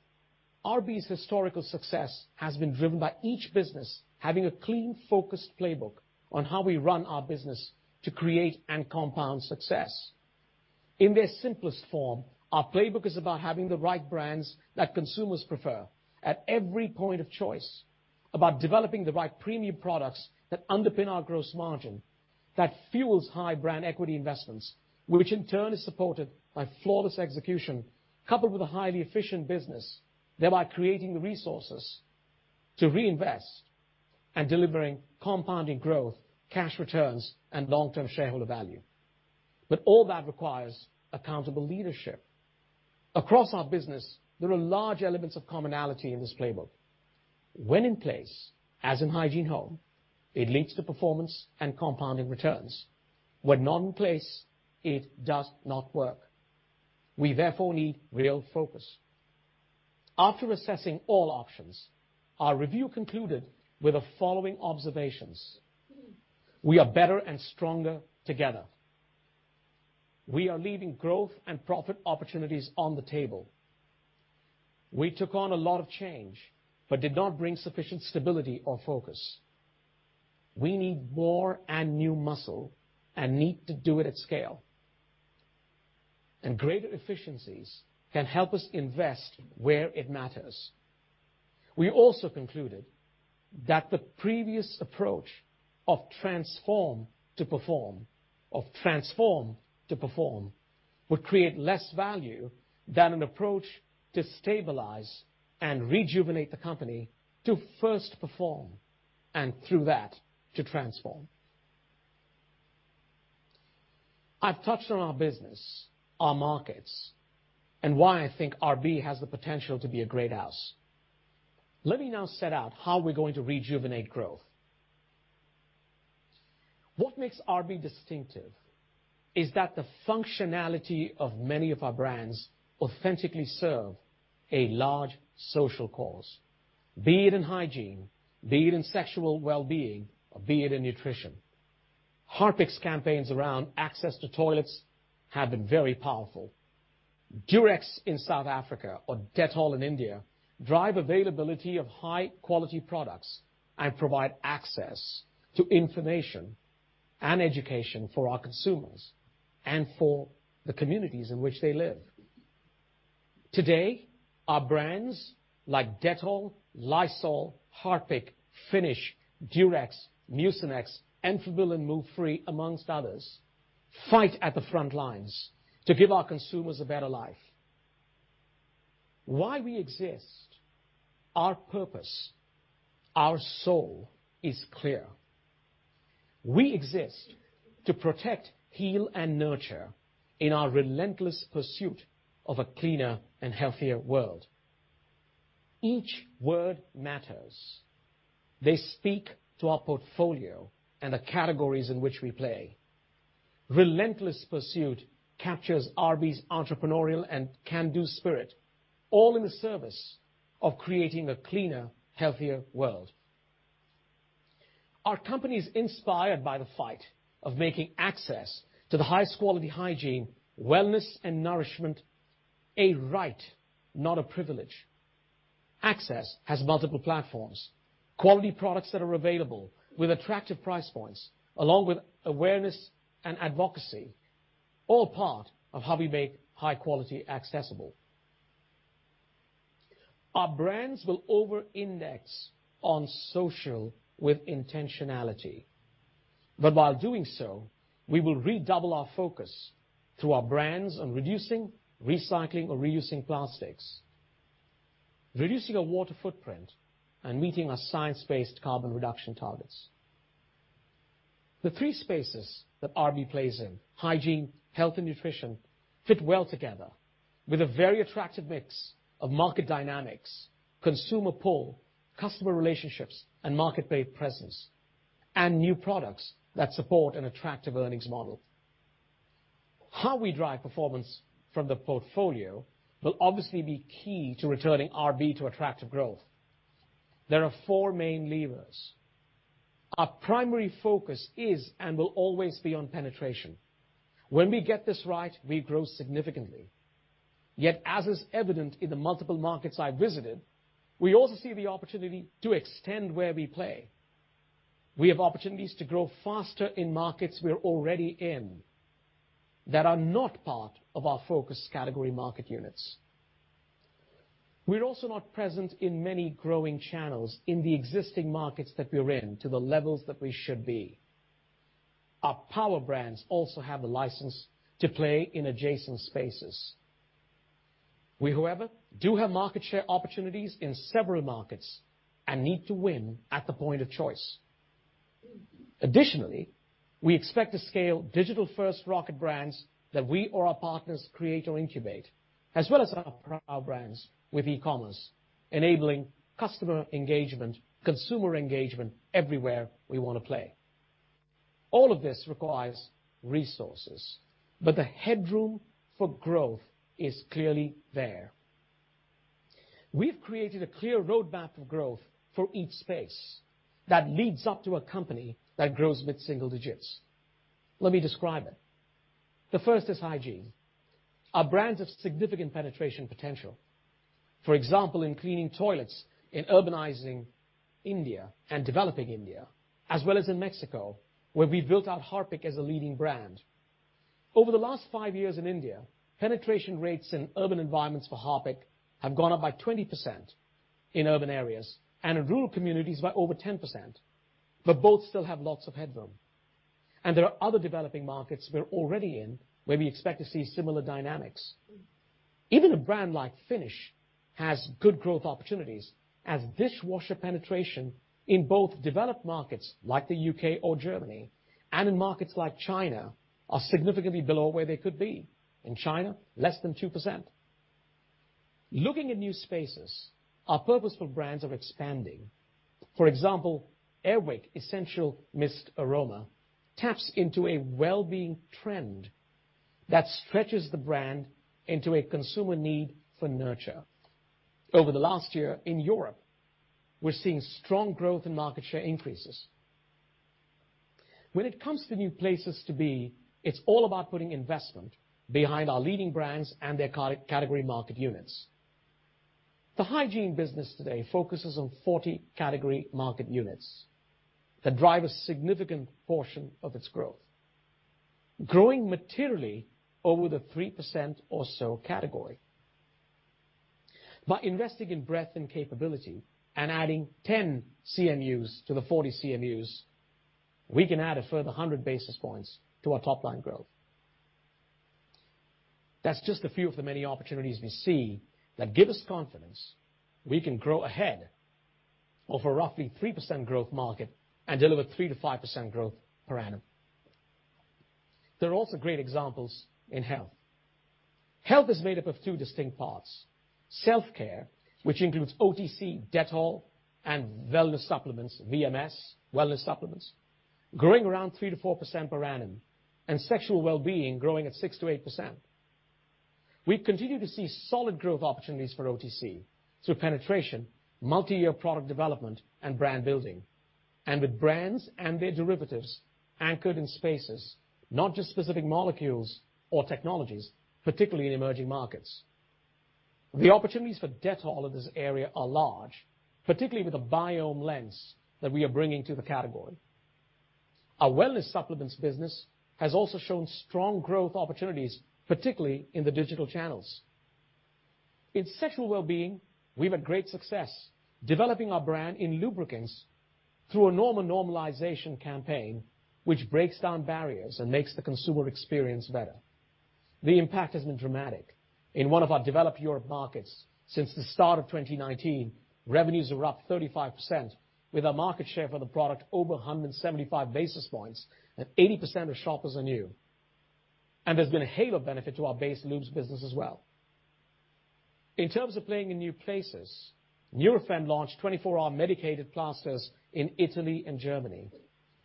RB's historical success has been driven by each business having a clean, focused playbook on how we run our business to create and compound success. In their simplest form, our playbook is about having the right brands that consumers prefer at every point of choice, about developing the right premium products that underpin our gross margin, that fuels high brand equity investments, which in turn is supported by flawless execution, coupled with a highly efficient business, thereby creating the resources to reinvest and delivering compounding growth, cash returns, and long-term shareholder value. All that requires accountable leadership. Across our business, there are large elements of commonality in this playbook. When in place, as in Hygiene Home, it leads to performance and compounding returns. When not in place, it does not work. We therefore need real focus. After assessing all options, our review concluded with the following observations. We are better and stronger together. We are leaving growth and profit opportunities on the table. We took on a lot of change, but did not bring sufficient stability or focus. We need more and new muscle and need to do it at scale, and greater efficiencies can help us invest where it matters. We also concluded that the previous approach of transform to perform would create less value than an approach to stabilize and rejuvenate the company to first perform, and through that, to transform. I've touched on our business, our markets, and why I think RB has the potential to be a great house. Let me now set out how we're going to rejuvenate growth. What makes RB distinctive is that the functionality of many of our brands authentically serve a large social cause, be it in hygiene, be it in sexual well-being, or be it in nutrition. Harpic's campaigns around access to toilets have been very powerful. Durex in South Africa or Dettol in India drive availability of high-quality products and provide access to information and education for our consumers and for the communities in which they live. Today, our brands like Dettol, Lysol, Harpic, Finish, Durex, Mucinex, Enfagrow, and Move Free, amongst others, fight at the front lines to give our consumers a better life. Why we exist, our purpose, our soul is clear. We exist to protect, heal, and nurture in our relentless pursuit of a cleaner and healthier world. Each word matters. They speak to our portfolio and the categories in which we play. Relentless pursuit captures RB's entrepreneurial and can-do spirit, all in the service of creating a cleaner, healthier world. Our company is inspired by the fight of making access to the highest quality hygiene, wellness, and nourishment a right, not a privilege. Access has multiple platforms, quality products that are available with attractive price points, along with awareness and advocacy, all part of how we make high quality accessible. Our brands will over-index on social with intentionality. While doing so, we will redouble our focus through our brands on reducing, recycling, or reusing plastics, reducing our water footprint, and meeting our science-based carbon reduction targets. The three spaces that RB plays in, hygiene, health, and nutrition, fit well together with a very attractive mix of market dynamics, consumer pull, customer relationships, and market-based presence, and new products that support an attractive earnings model. How we drive performance from the portfolio will obviously be key to returning RB to attractive growth. There are four main levers. Our primary focus is and will always be on penetration. When we get this right, we grow significantly. As is evident in the multiple markets I visited, we also see the opportunity to extend where we play. We have opportunities to grow faster in markets we're already in, that are not part of our focus category market units. We're also not present in many growing channels in the existing markets that we're in to the levels that we should be. Our power brands also have the license to play in adjacent spaces. We, however, do have market share opportunities in several markets and need to win at the point of choice. Additionally, we expect to scale digital-first rocket brands that we or our partners create or incubate, as well as our power brands with e-commerce, enabling customer engagement, consumer engagement everywhere we want to play. All of this requires resources, but the headroom for growth is clearly there. We've created a clear roadmap of growth for each space that leads up to a company that grows mid-single digits. Let me describe it. The first is hygiene. Our brands have significant penetration potential. For example, in cleaning toilets in urbanizing India and developing India, as well as in Mexico, where we built out Harpic as a leading brand. Over the last five years in India, penetration rates in urban environments for Harpic have gone up by 20% in urban areas and in rural communities by over 10%, but both still have lots of headroom. There are other developing markets we're already in where we expect to see similar dynamics. Even a brand like Finish has good growth opportunities as dishwasher penetration in both developed markets like the U.K. or Germany and in markets like China are significantly below where they could be. In China, less than 2%. Looking at new spaces, our purposeful brands are expanding. For example, Air Wick Essential Mist Aroma taps into a well-being trend that stretches the brand into a consumer need for nurture. Over the last year in Europe, we're seeing strong growth and market share increases. When it comes to new places to be, it's all about putting investment behind our leading brands and their category market units. The hygiene business today focuses on 40 category market units that drive a significant portion of its growth, growing materially over the 3% or so category. By investing in breadth and capability and adding 10 CMUs to the 40 CMUs, we can add a further 100 basis points to our top-line growth. That's just a few of the many opportunities we see that give us confidence we can grow ahead of a roughly 3% growth market and deliver 3%-5% growth per annum. There are also great examples in health. Health is made up of two distinct parts, self-care, which includes OTC, Dettol, and wellness supplements, VMS, wellness supplements, growing around 3%-4% per annum, and sexual wellbeing growing at 6%-8%. We continue to see solid growth opportunities for OTC through penetration, multi-year product development, and brand building, and with brands and their derivatives anchored in spaces, not just specific molecules or technologies, particularly in emerging markets. The opportunities for Dettol in this area are large, particularly with a biome lens that we are bringing to the category. Our wellness supplements business has also shown strong growth opportunities, particularly in the digital channels. In sexual wellbeing, we have a great success developing our brand in lubricants through a normal normalization campaign, which breaks down barriers and makes the consumer experience better. The impact has been dramatic. In one of our developed Europe markets since the start of 2019, revenues are up 35% with our market share for the product over 175 basis points and 80% of shoppers are new. There's been a halo benefit to our base lubes business as well. In terms of playing in new places, Nurofen launched 24-hour medicated plasters in Italy and Germany.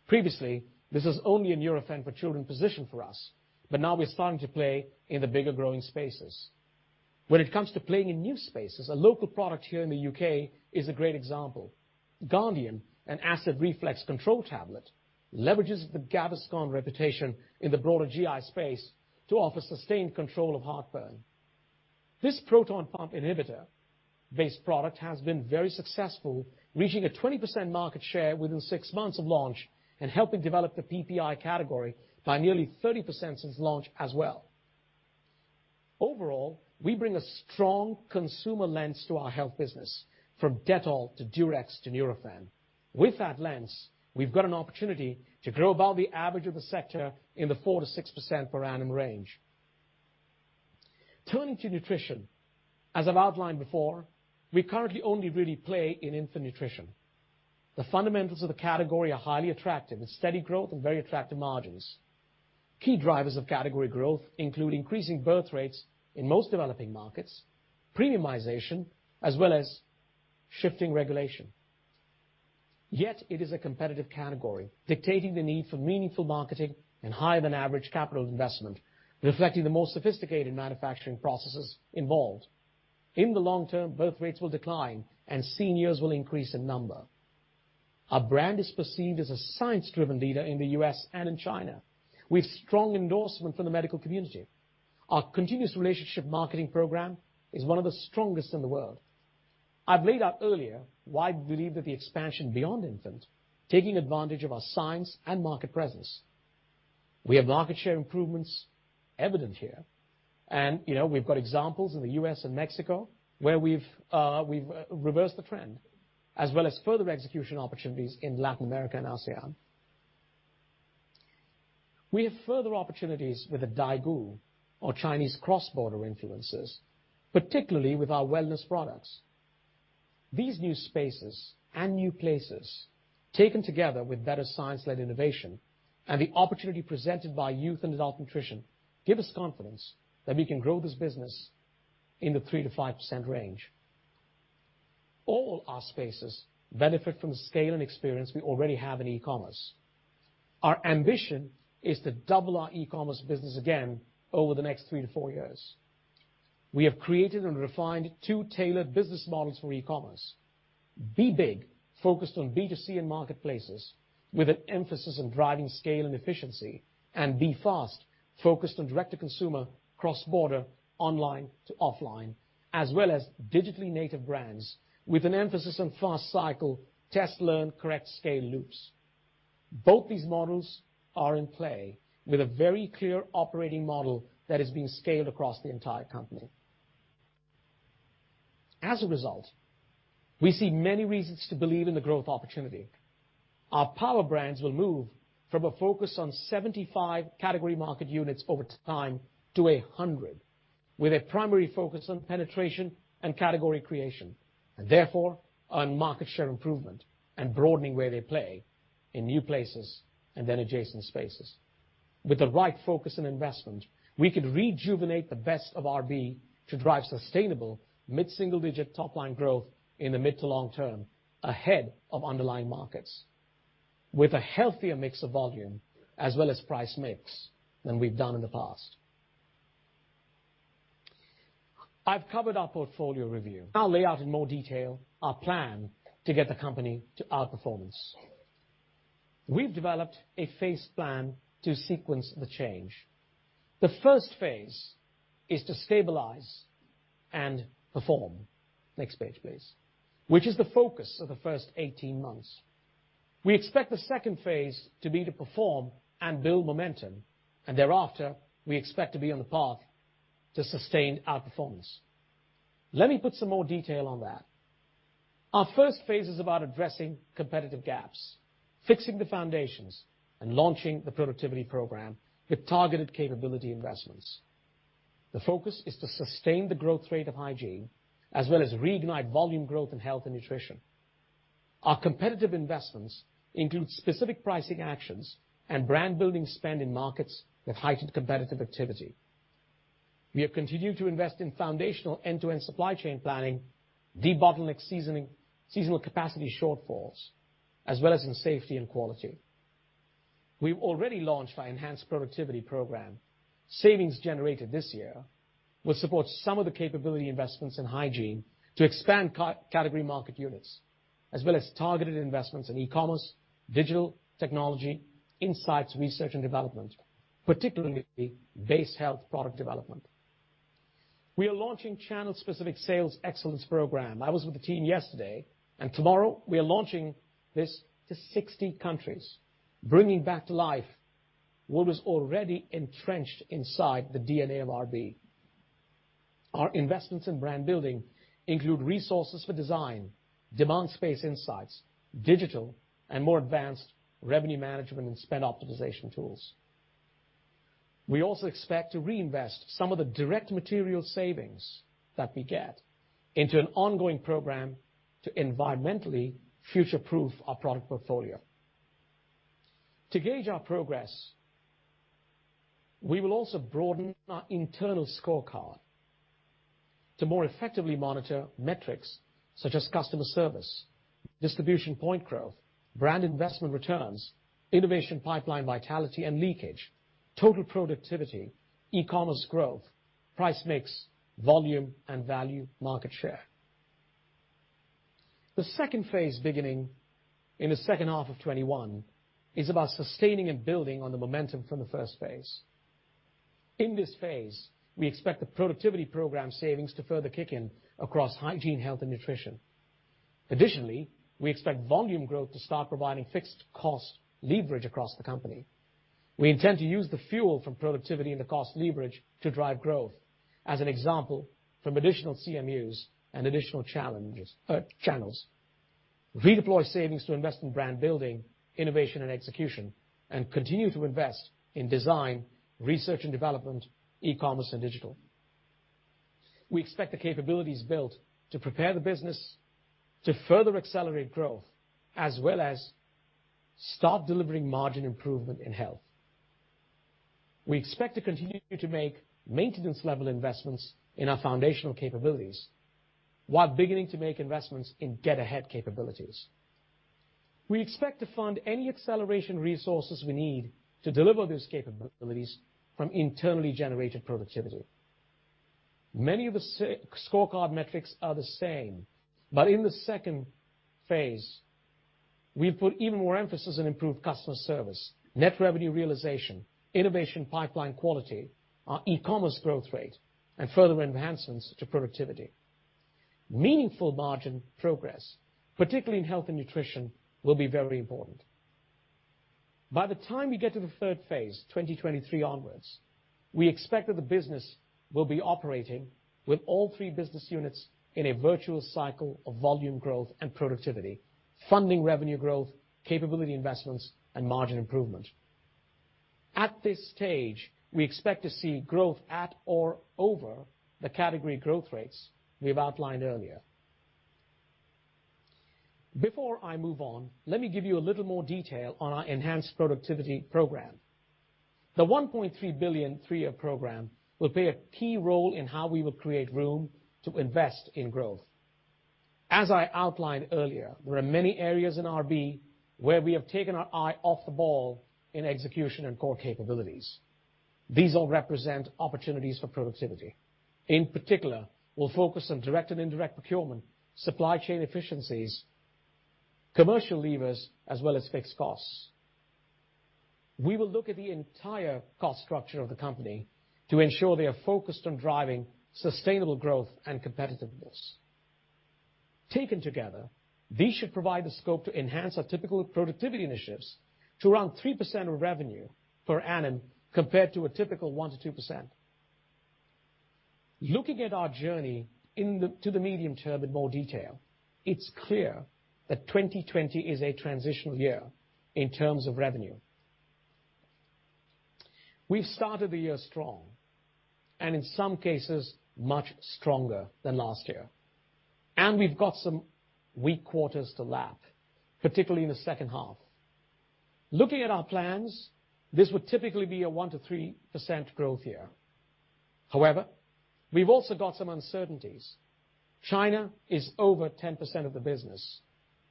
Previously, this was only a Nurofen for Children position for us, but now we're starting to play in the bigger growing spaces. When it comes to playing in new spaces, a local product here in the U.K. is a great example. Guardium, an acid reflux control tablet, leverages the Gaviscon reputation in the broader GI space to offer sustained control of heartburn. This proton pump inhibitor-based product has been very successful, reaching a 20% market share within six months of launch and helping develop the PPI category by nearly 30% since launch as well. Overall, we bring a strong consumer lens to our health business from Dettol to Durex to Nurofen. With that lens, we've got an opportunity to grow above the average of the sector in the 4%-6% per annum range. Turning to nutrition, as I've outlined before, we currently only really play in infant nutrition. The fundamentals of the category are highly attractive with steady growth and very attractive margins. Key drivers of category growth include increasing birth rates in most developing markets, premiumization, as well as shifting regulation. It is a competitive category, dictating the need for meaningful marketing and higher than average capital investment, reflecting the more sophisticated manufacturing processes involved. In the long term, birth rates will decline, and seniors will increase in number. Our brand is perceived as a science-driven leader in the U.S. and in China, with strong endorsement from the medical community. Our continuous relationship marketing program is one of the strongest in the world. I've laid out earlier why we believe that the expansion beyond infant, taking advantage of our science and market presence. We have market share improvements evident here. We've got examples in the U.S. and Mexico where we've reversed the trend, as well as further execution opportunities in Latin America and ASEAN. We have further opportunities with the daigou or Chinese cross-border influencers, particularly with our wellness products. These new spaces and new places, taken together with better science-led innovation and the opportunity presented by youth and adult nutrition, give us confidence that we can grow this business in the 3%-5% range. All our spaces benefit from the scale and experience we already have in e-commerce. Our ambition is to double our e-commerce business again over the next 3-4 years. We have created and refined two tailored business models for e-commerce. Be Big, focused on B2C and marketplaces with an emphasis on driving scale and efficiency, and Be Fast, focused on direct-to-consumer, cross-border, online to offline, as well as digitally native brands with an emphasis on fast cycle, test, learn, correct, scale loops. Both these models are in play with a very clear operating model that is being scaled across the entire company. As a result, we see many reasons to believe in the growth opportunity. Our power brands will move from a focus on 75 category market units over time to 100, with a primary focus on penetration and category creation, and therefore on market share improvement and broadening where they play in new places and then adjacent spaces. With the right focus and investment, we could rejuvenate the best of RB to drive sustainable mid-single digit top-line growth in the mid to long-term ahead of underlying markets with a healthier mix of volume as well as price mix than we've done in the past. I've covered our portfolio review. I'll lay out in more detail our plan to get the company to outperformance. We've developed a phase plan to sequence the change. The first phase is to stabilize and perform. Next page, please. Which is the focus of the first 18 months. We expect the second phase to be to perform and build momentum, thereafter, we expect to be on the path to sustained outperformance. Let me put some more detail on that. Our first phase is about addressing competitive gaps, fixing the foundations, and launching the productivity program with targeted capability investments. The focus is to sustain the growth rate of hygiene, as well as reignite volume growth in health and nutrition. Our competitive investments include specific pricing actions and brand-building spend in markets with heightened competitive activity. We have continued to invest in foundational end-to-end supply chain planning, debottleneck seasonal capacity shortfalls, as well as in safety and quality. We've already launched our enhanced productivity program. Savings generated this year will support some of the capability investments in hygiene to expand category market units, as well as targeted investments in e-commerce, digital technology, insights, research and development, particularly base health product development. We are launching channel-specific sales excellence program. I was with the team yesterday, tomorrow we are launching this to 60 countries, bringing back to life what was already entrenched inside the DNA of RB. Our investments in brand building include resources for design, demand space insights, digital and more advanced revenue management and spend optimization tools. We also expect to reinvest some of the direct material savings that we get into an ongoing program to environmentally future-proof our product portfolio. To gauge our progress, we will also broaden our internal scorecard to more effectively monitor metrics such as customer service, distribution point growth, brand investment returns, innovation pipeline vitality and leakage, total productivity, e-commerce growth, price mix, volume, and value market share. The phase II, beginning in the second half of 2021, is about sustaining and building on the momentum from the phase I. In this phase, we expect the productivity program savings to further kick in across Hygiene, Health, and Nutrition. Additionally, we expect volume growth to start providing fixed cost leverage across the company. We intend to use the fuel from productivity and the cost leverage to drive growth, as an example, from additional CMUs and additional channels. Redeploy savings to invest in brand building, innovation, and execution, and continue to invest in design, research and development, e-commerce and digital. We expect the capabilities built to prepare the business to further accelerate growth, as well as start delivering margin improvement in Health. We expect to continue to make maintenance level investments in our foundational capabilities while beginning to make investments in get-ahead capabilities. We expect to fund any acceleration resources we need to deliver these capabilities from internally generated productivity. Many of the scorecard metrics are the same, but in the second phase, we've put even more emphasis on improved customer service, net revenue realization, innovation pipeline quality, our e-commerce growth rate, and further enhancements to productivity. Meaningful margin progress, particularly in Health and Nutrition, will be very important. By the time we get to the third phase, 2023 onwards, we expect that the business will be operating with all three business units in a virtuous cycle of volume growth and productivity, funding revenue growth, capability investments, and margin improvement. At this stage, we expect to see growth at or over the category growth rates we've outlined earlier. Before I move on, let me give you a little more detail on our enhanced productivity program. The 1.3 billion, three-year program will play a key role in how we will create room to invest in growth. As I outlined earlier, there are many areas in RB where we have taken our eye off the ball in execution and core capabilities. These all represent opportunities for productivity. In particular, we'll focus on direct and indirect procurement, supply chain efficiencies, commercial levers, as well as fixed costs. We will look at the entire cost structure of the company to ensure they are focused on driving sustainable growth and competitiveness. Taken together, these should provide the scope to enhance our typical productivity initiatives to around 3% of revenue per annum, compared to a typical 1%-2%. Looking at our journey to the medium term in more detail, it's clear that 2020 is a transitional year in terms of revenue. We've started the year strong, and in some cases, much stronger than last year, and we've got some weak quarters to lap, particularly in the second half. Looking at our plans, this would typically be a 1%-3% growth year. However, we've also got some uncertainties. China is over 10% of the business,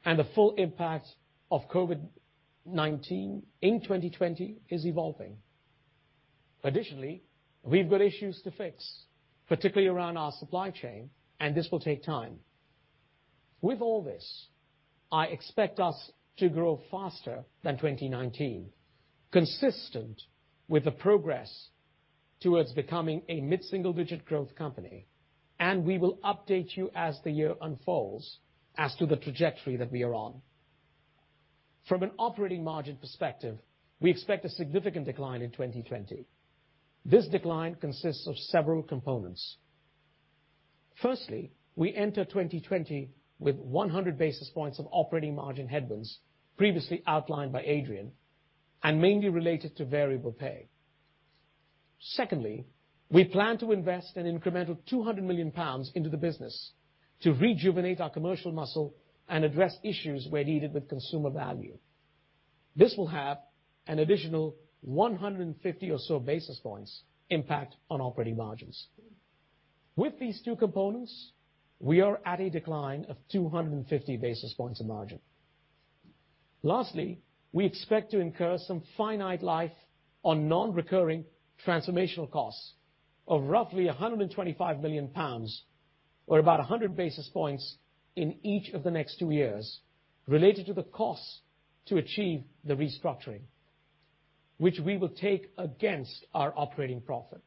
and the full impact of COVID-19 in 2020 is evolving. Additionally, we've got issues to fix, particularly around our supply chain, and this will take time. With all this, I expect us to grow faster than 2019, consistent with the progress towards becoming a mid-single-digit growth company, and we will update you as the year unfolds as to the trajectory that we are on. From an operating margin perspective, we expect a significant decline in 2020. This decline consists of several components. Firstly, we enter 2020 with 100 basis points of operating margin headwinds previously outlined by Adrian, and mainly related to variable pay. Secondly, we plan to invest an incremental 200 million pounds into the business to rejuvenate our commercial muscle and address issues where needed with consumer value. This will have an additional 150 or so basis points impact on operating margins. With these two components, we are at a decline of 250 basis points of margin. Lastly, we expect to incur some finite life on non-recurring transformational costs of roughly 125 million pounds, or about 100 basis points in each of the next two years, related to the cost to achieve the restructuring, which we will take against our operating profit.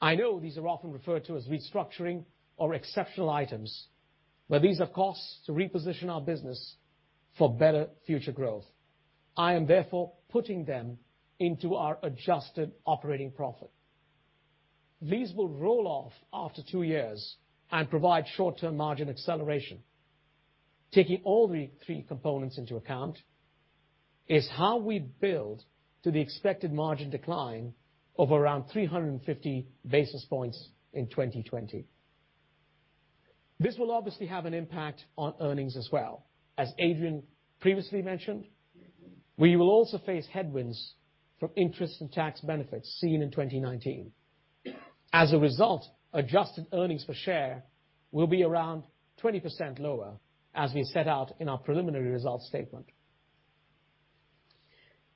I know these are often referred to as restructuring or exceptional items, but these are costs to reposition our business for better future growth. I am therefore putting them into our adjusted operating profit. These will roll off after two years and provide short-term margin acceleration. Taking all the three components into account is how we build to the expected margin decline of around 350 basis points in 2020. This will obviously have an impact on earnings as well. As Adrian previously mentioned, we will also face headwinds from interest and tax benefits seen in 2019. As a result, adjusted earnings per share will be around 20% lower as we set out in our preliminary results statement.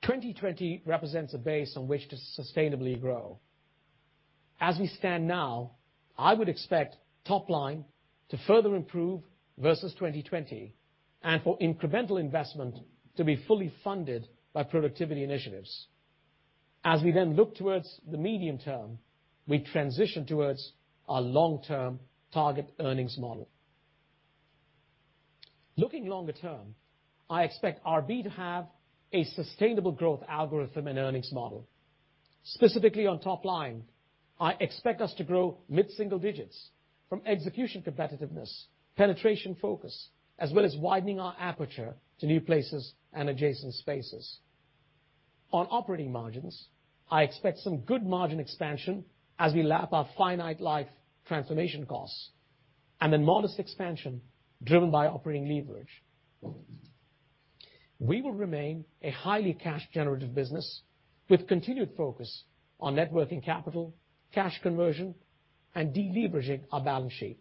2020 represents a base on which to sustainably grow. As we stand now, I would expect top line to further improve versus 2020, and for incremental investment to be fully funded by productivity initiatives. As we then look towards the medium-term, we transition towards our long-term target earnings model. Looking longer-term, I expect RB to have a sustainable growth algorithm and earnings model. Specifically on top line, I expect us to grow mid-single digits from execution competitiveness, penetration focus, as well as widening our aperture to new places and adjacent spaces. On operating margins, I expect some good margin expansion as we lap our finite life transformation costs, and then modest expansion driven by operating leverage. We will remain a highly cash-generative business with continued focus on net working capital, cash conversion and deleveraging our balance sheet.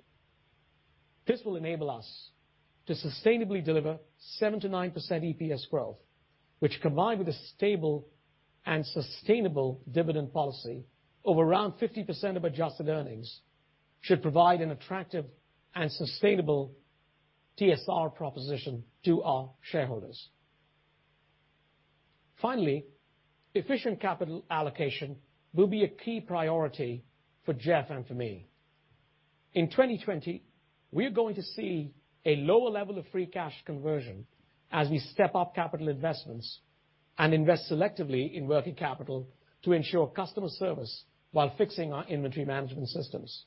This will enable us to sustainably deliver 7%-9% EPS growth, which combined with a stable and sustainable dividend policy of around 50% of adjusted earnings, should provide an attractive and sustainable TSR proposition to our shareholders. Finally, efficient capital allocation will be a key priority for Jeff and for me. In 2020, we are going to see a lower level of free cash conversion as we step up capital investments and invest selectively in working capital to ensure customer service while fixing our inventory management systems.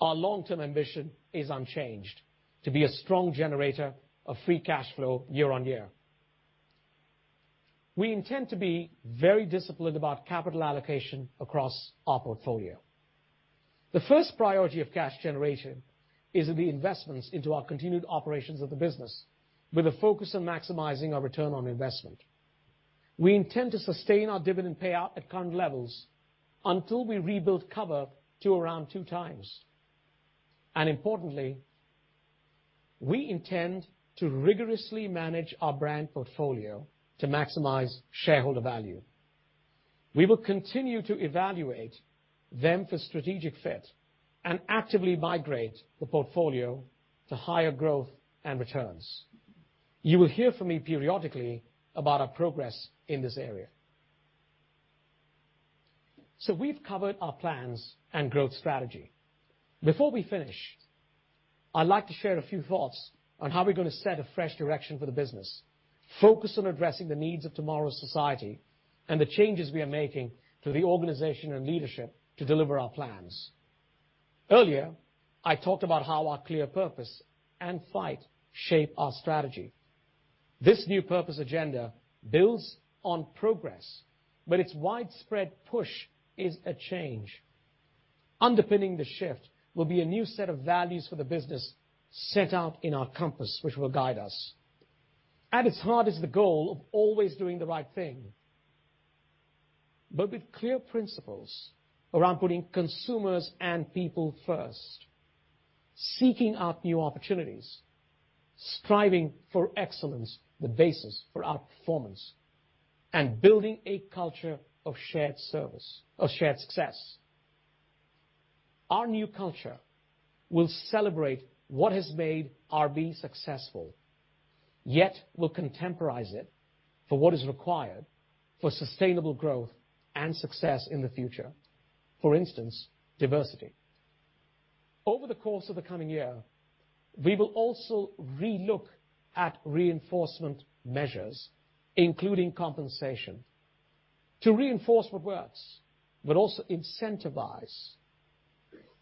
Our long-term ambition is unchanged, to be a strong generator of free cash flow year on year. We intend to be very disciplined about capital allocation across our portfolio. The first priority of cash generation is the investments into our continued operations of the business with a focus on maximizing our return on investment. Importantly, we intend to sustain our dividend payout at current levels until we rebuild cover to around two times. We intend to rigorously manage our brand portfolio to maximize shareholder value. We will continue to evaluate them for strategic fit and actively migrate the portfolio to higher growth and returns. You will hear from me periodically about our progress in this area. We've covered our plans and growth strategy. Before we finish, I'd like to share a few thoughts on how we're going to set a fresh direction for the business, focused on addressing the needs of tomorrow's society, and the changes we are making to the organization and leadership to deliver our plans. Earlier, I talked about how our clear purpose and fight shape our strategy. This new purpose agenda builds on progress, but its widespread push is a change. Underpinning the shift will be a new set of values for the business set out in our compass, which will guide us. At its heart is the goal of always doing the right thing, but with clear principles around putting consumers and people first, seeking out new opportunities, striving for excellence, the basis for our performance, and building a culture of shared success. Our new culture will celebrate what has made RB successful, yet will contemporize it for what is required for sustainable growth and success in the future. For instance, Over the course of the coming year, we will also relook at reinforcement measures, including compensation, to reinforce what works, but also incentivize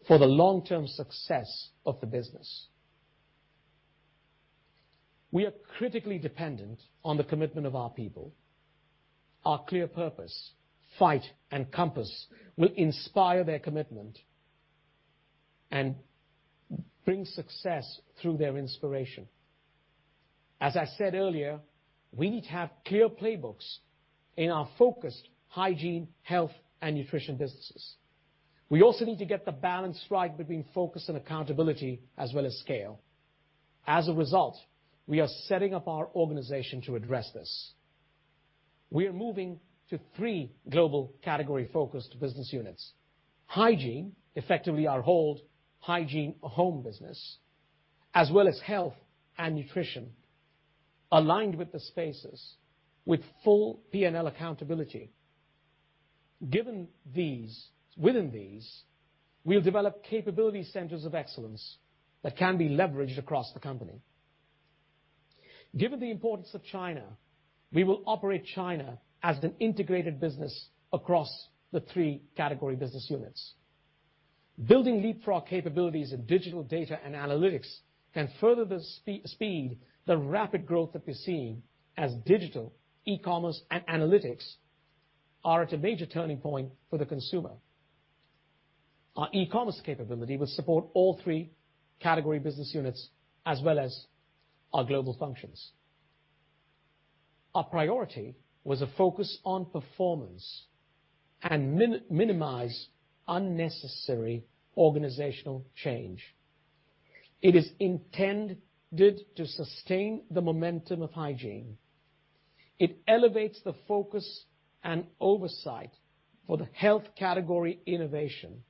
for the long-term success of the business. We are critically dependent on the commitment of our people. Our clear purpose, fight, and compass will inspire their commitment and bring success through their inspiration. As I said earlier, we need to have clear playbooks in our focused hygiene, health, and nutrition businesses. We also need to get the balance right between focus and accountability as well as scale. As a result, we are setting up our organization to address this. We are moving to three global category-focused business units. Hygiene, effectively our whole Hygiene Home business, as well as health and nutrition, aligned with the spaces with full P&L accountability. Within these, we'll develop capability centers of excellence that can be leveraged across the company. Given the importance of China, we will operate China as an integrated business across the three category business units. Building leapfrog capabilities in digital data and analytics can further the speed, the rapid growth that we're seeing as digital, e-commerce, and analytics are at a major turning point for the consumer. Our e-commerce capability will support all three category business units as well as our global functions. Our priority was a focus on performance and minimize unnecessary organizational change. It is intended to sustain the momentum of Hygiene. It elevates the focus and oversight for the Health category innovation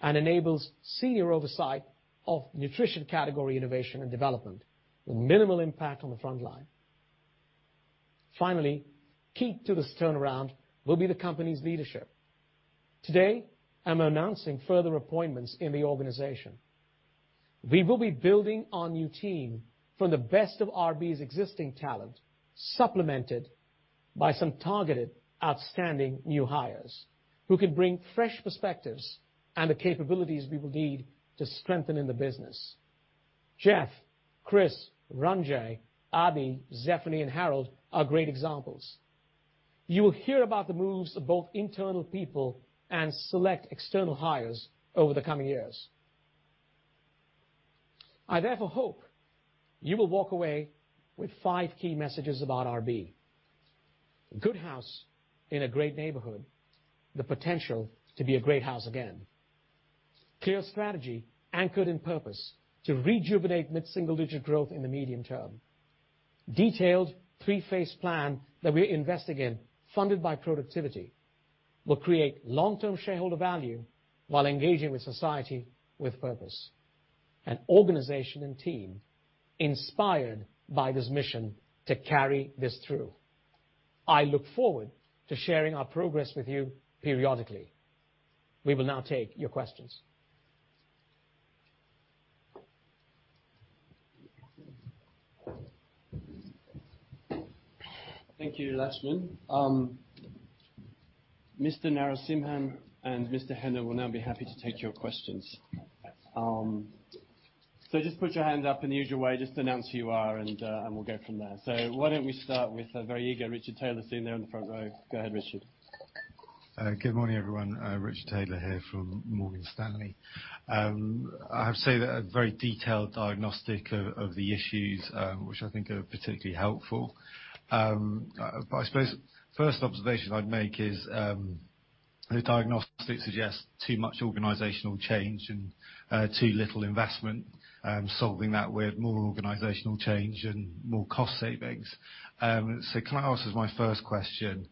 and enables senior oversight of Nutrition category innovation and development with minimal impact on the front line. Finally, key to this turnaround will be the company's leadership. Today, I'm announcing further appointments in the organization. We will be building our new team from the best of RB's existing talent, supplemented by some targeted, outstanding new hires who can bring fresh perspectives and the capabilities we will need to strengthen in the business. Jeff, Chris, Ranjay, Abi, Stephanie, and Harold are great examples. You will hear about the moves of both internal people and select external hires over the coming years. I therefore hope you will walk away with five key messages about RB. A good house in a great neighborhood, the potential to be a great house again. Clear strategy anchored in purpose to rejuvenate mid-single-digit growth in the medium term. Detailed three-phase plan that we're investing in, funded by productivity, will create long-term shareholder value while engaging with society with purpose. An organization and team inspired by this mission to carry this through. I look forward to sharing our progress with you periodically. We will now take your questions. Thank you, Laxman. Mr. Narasimhan and Mr. Hennah will now be happy to take your questions. Just put your hand up in the usual way, just announce who you are, and we'll go from there. Why don't we start with a very eager Richard Taylor sitting there on the front row. Go ahead, Richard. Good morning, everyone. Richard Taylor here from Morgan Stanley. I have to say that a very detailed diagnostic of the issues, which I think are particularly helpful. I suppose first observation I'd make is, the diagnostic suggests too much organizational change and too little investment, and solving that with more organizational change and more cost savings. Can I ask as my first question,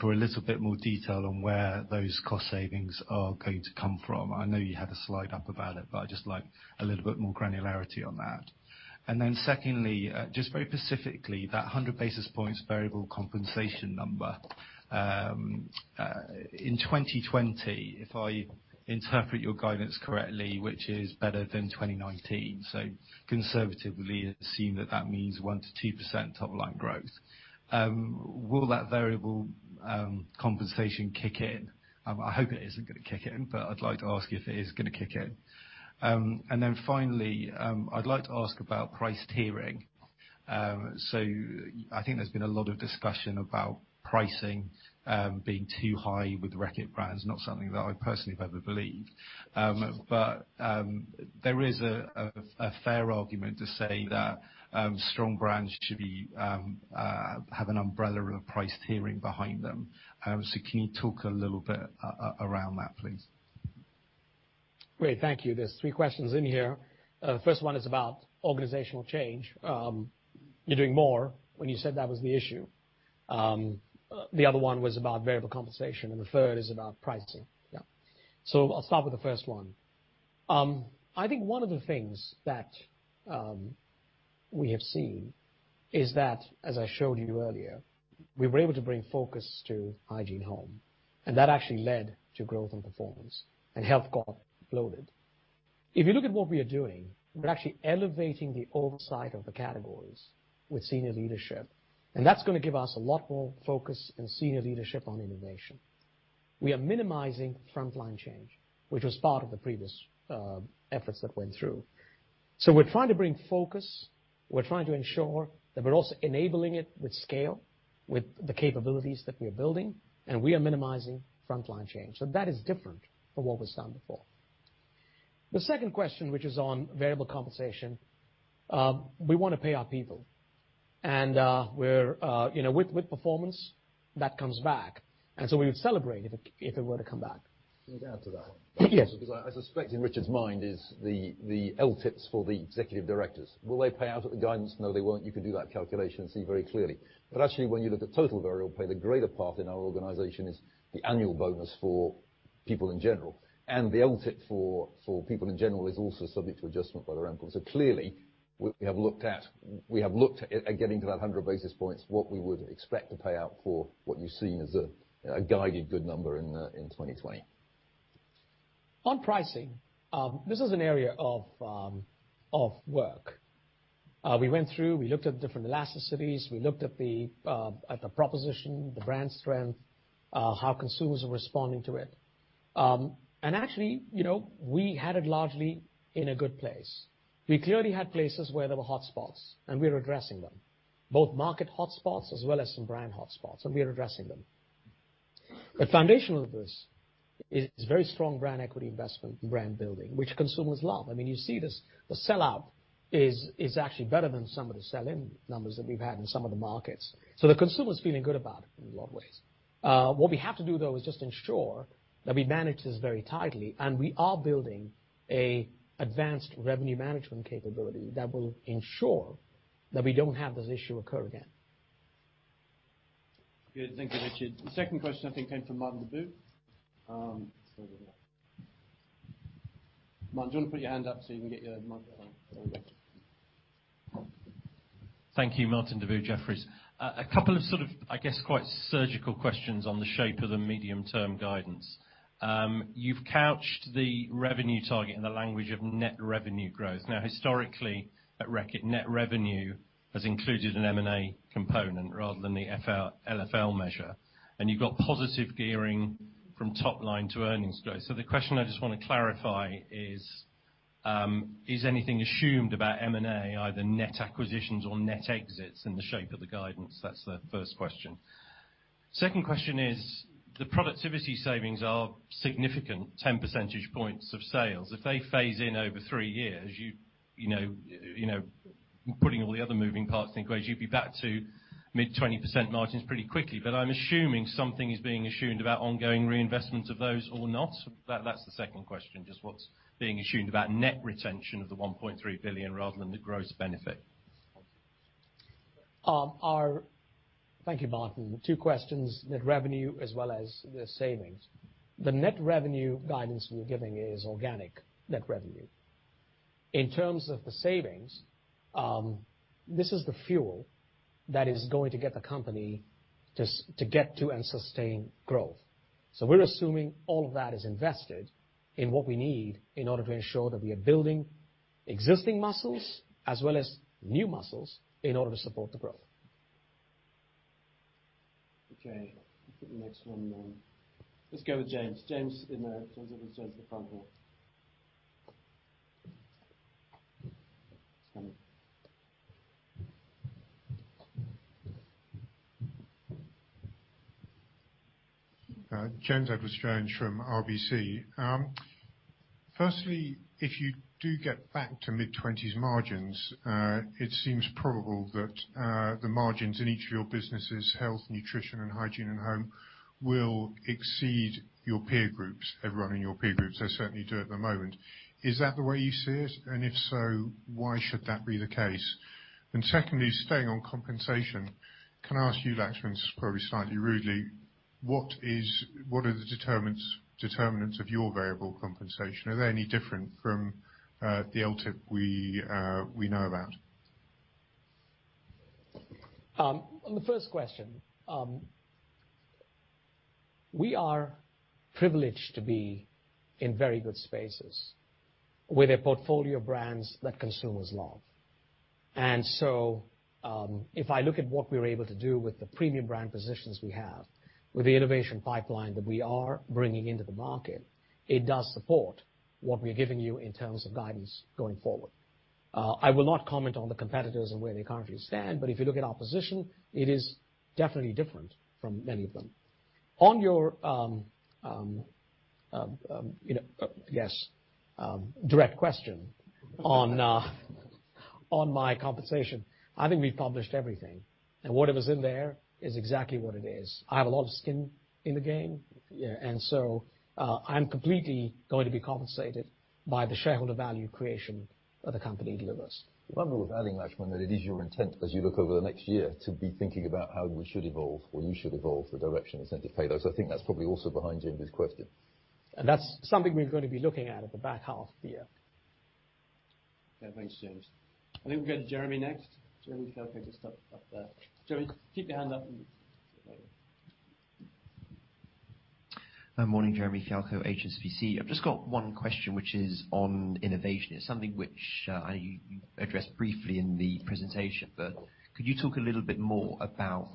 for a little bit more detail on where those cost savings are going to come from? I know you had a slide up about it, but I'd just like a little bit more granularity on that. Then secondly, just very specifically, that 100 basis points variable compensation number. In 2020, if I interpret your guidance correctly, which is better than 2019, so conservatively assume that that means 1%-2% top line growth. Will that variable compensation kick in? I hope it isn't going to kick in, but I'd like to ask if it is going to kick in. Finally, I'd like to ask about price tiering. I think there's been a lot of discussion about pricing being too high with Reckitt brands, not something that I personally have ever believed. There is a fair argument to say that strong brands should have an umbrella of price tiering behind them. Can you talk a little bit around that, please? Great. Thank you. There's three questions in here. The first one is about organizational change. You're doing more when you said that was the issue. The other one was about variable compensation, and the third is about pricing. Yeah. I'll start with the first one. I think one of the things we have seen is that, as I showed you earlier, we were able to bring focus to Hygiene Home, and that actually led to growth and performance, and health got loaded. If you look at what we are doing, we're actually elevating the oversight of the categories with senior leadership, and that's going to give us a lot more focus and senior leadership on innovation. We are minimizing frontline change, which was part of the previous efforts that went through. We're trying to bring focus. We're trying to ensure that we're also enabling it with scale, with the capabilities that we are building, and we are minimizing frontline change. That is different from what was done before. The second question, which is on variable compensation. We want to pay our people, and with performance that comes back, and so we would celebrate if it were to come back. Can I add to that? Yes. I suspect in Richard's mind is the LTIPs for the executive directors. Will they pay out at the guidance? No, they won't. You can do that calculation and see very clearly. Actually, when you look at total variable pay, the greater part in our organization is the annual bonus for people in general. The LTIP for people in general is also subject to adjustment by their MP. Clearly, we have looked at getting to that 100 basis points, what we would expect to pay out for what you're seeing as a guided good number in 2020. On pricing, this is an area of work. We looked at different elasticities, we looked at the proposition, the brand strength, how consumers are responding to it. Actually, we had it largely in a good place. We clearly had places where there were hotspots, and we are addressing them. Both market hotspots as well as some brand hotspots, and we are addressing them. Foundational to this is very strong brand equity investment in brand building, which consumers love. You see this, the sell-out is actually better than some of the sell-in numbers that we've had in some of the markets. The consumer is feeling good about it in a lot of ways. What we have to do, though, is just ensure that we manage this very tightly, and we are building a advanced revenue management capability that will ensure that we don't have this issue occur again. Good. Thank you, Richard. The second question, I think, came from Martin Deboo. Martin, do you want to put your hand up so you can get your microphone? There we go. Thank you, Martin Deboo, Jefferies. A couple of sort of, I guess, quite surgical questions on the shape of the medium-term guidance. You've couched the revenue target in the language of net revenue growth. Historically, at Reckitt, net revenue has included an M&A component rather than the LFL measure. You've got positive gearing from top line to earnings growth. The question I just want to clarify is anything assumed about M&A, either net acquisitions or net exits in the shape of the guidance? That's the first question. Second question is, the productivity savings are significant, 10 percentage points of sales. If they phase in over three years, putting all the other moving parts in equation, you'd be back to mid-20% margins pretty quickly. I'm assuming something is being assumed about ongoing reinvestment of those or not. That's the second question, just what's being assumed about net retention of the 1.3 billion rather than the gross benefit? Thank you, Martin. Two questions, net revenue as well as the savings. The net revenue guidance we're giving is organic net revenue. In terms of the savings, this is the fuel that is going to get the company to get to and sustain growth. We're assuming all of that is invested in what we need in order to ensure that we are building existing muscles as well as new muscles in order to support the growth. Okay, I think the next one. Let's go with James. James in the front here. He's coming. James Edwardes Jones from RBC. Firstly, if you do get back to mid-20s margins, it seems probable that the margins in each of your businesses, health, nutrition, and hygiene and home, will exceed your peer groups, everyone in your peer groups. They certainly do at the moment. Is that the way you see it? If so, why should that be the case? Secondly, staying on compensation, can I ask you, Laxman, this is probably slightly rudely, what are the determinants of your variable compensation? Are they any different from the LTIP we know about? On the first question, we are privileged to be in very good spaces with a portfolio of brands that consumers love. If I look at what we're able to do with the premium brand positions we have, with the innovation pipeline that we are bringing into the market, it does support what we're giving you in terms of guidance going forward. I will not comment on the competitors and where they currently stand, but if you look at our position, it is definitely different from many of them. On your, yes, direct question on my compensation, I think we've published everything, and whatever's in there is exactly what it is. I have a lot of skin in the game, and so, I'm completely going to be compensated by the shareholder value creation that the company delivers. If I may add in, Laxman, that it is your intent as you look over the next year to be thinking about how we should evolve, or you should evolve the direction incentive pay. I think that's probably also behind James's question. That's something we're going to be looking at in the back half of the year. Thanks, James. I think we'll go to Jeremy next. Jeremy Fialko just up there. Jeremy, keep your hand up. Morning. Jeremy Fialko, HSBC. I've just got one question, which is on innovation. It's something which I know you addressed briefly in the presentation. Could you talk a little bit more about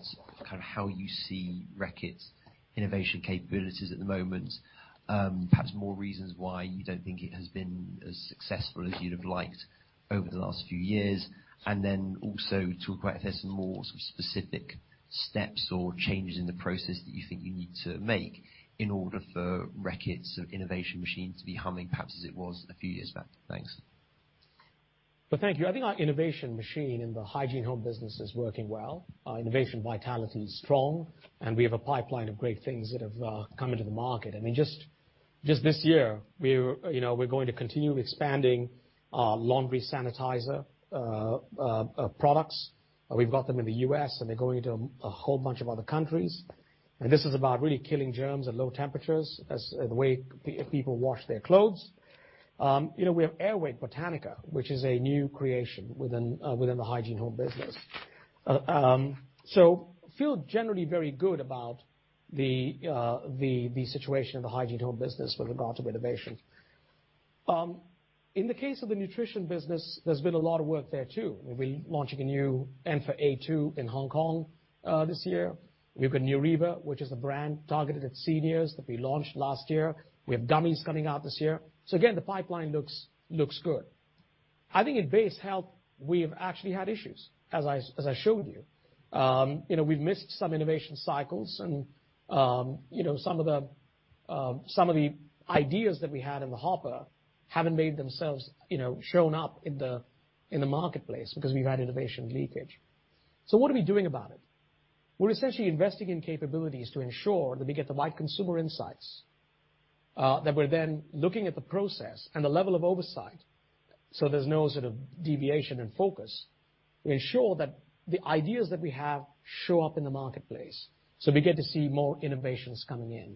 how you see Reckitt's innovation capabilities at the moment? Perhaps more reasons why you don't think it has been as successful as you'd have liked over the last few years. Also talk about if there's some more sort of specific steps or changes in the process that you think you need to make in order for Reckitt's innovation machine to be humming, perhaps as it was a few years back. Thanks. Well, thank you. I think our innovation machine in the Hygiene Home business is working well. Our innovation vitality is strong. We have a pipeline of great things that have come into the market. Just this year, we're going to continue expanding our laundry sanitizer products. We've got them in the U.S., and they're going into a whole bunch of other countries. This is about really killing germs at low temperatures as the way people wash their clothes. We have Air Wick Botanica, which is a new creation within the Hygiene Home business. Feel generally very good about the situation of the Hygiene Home business with regard to innovation. In the case of the Nutrition business, there's been a lot of work there, too. We'll be launching a new Enfa A2 in Hong Kong this year. We've got Neuriva, which is a brand targeted at seniors that we launched last year. We have Durex coming out this year. Again, the pipeline looks good. I think at base health, we've actually had issues, as I showed you. We've missed some innovation cycles and some of the ideas that we had in the hopper haven't made themselves shown up in the marketplace because we've had innovation leakage. What are we doing about it? We're essentially investing in capabilities to ensure that we get the right consumer insights, that we're then looking at the process and the level of oversight, so there's no sort of deviation in focus to ensure that the ideas that we have show up in the marketplace, so we get to see more innovations coming in.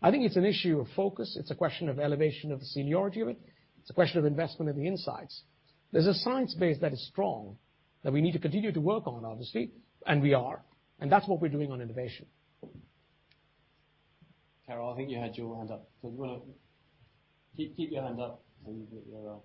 I think it's an issue of focus. It's a question of elevation of the seniority of it. It's a question of investment in the insights. There's a science base that is strong that we need to continue to work on, obviously, and we are. That's what we're doing on innovation. Carol, I think you had your hand up. If you want to keep your hand up until you get your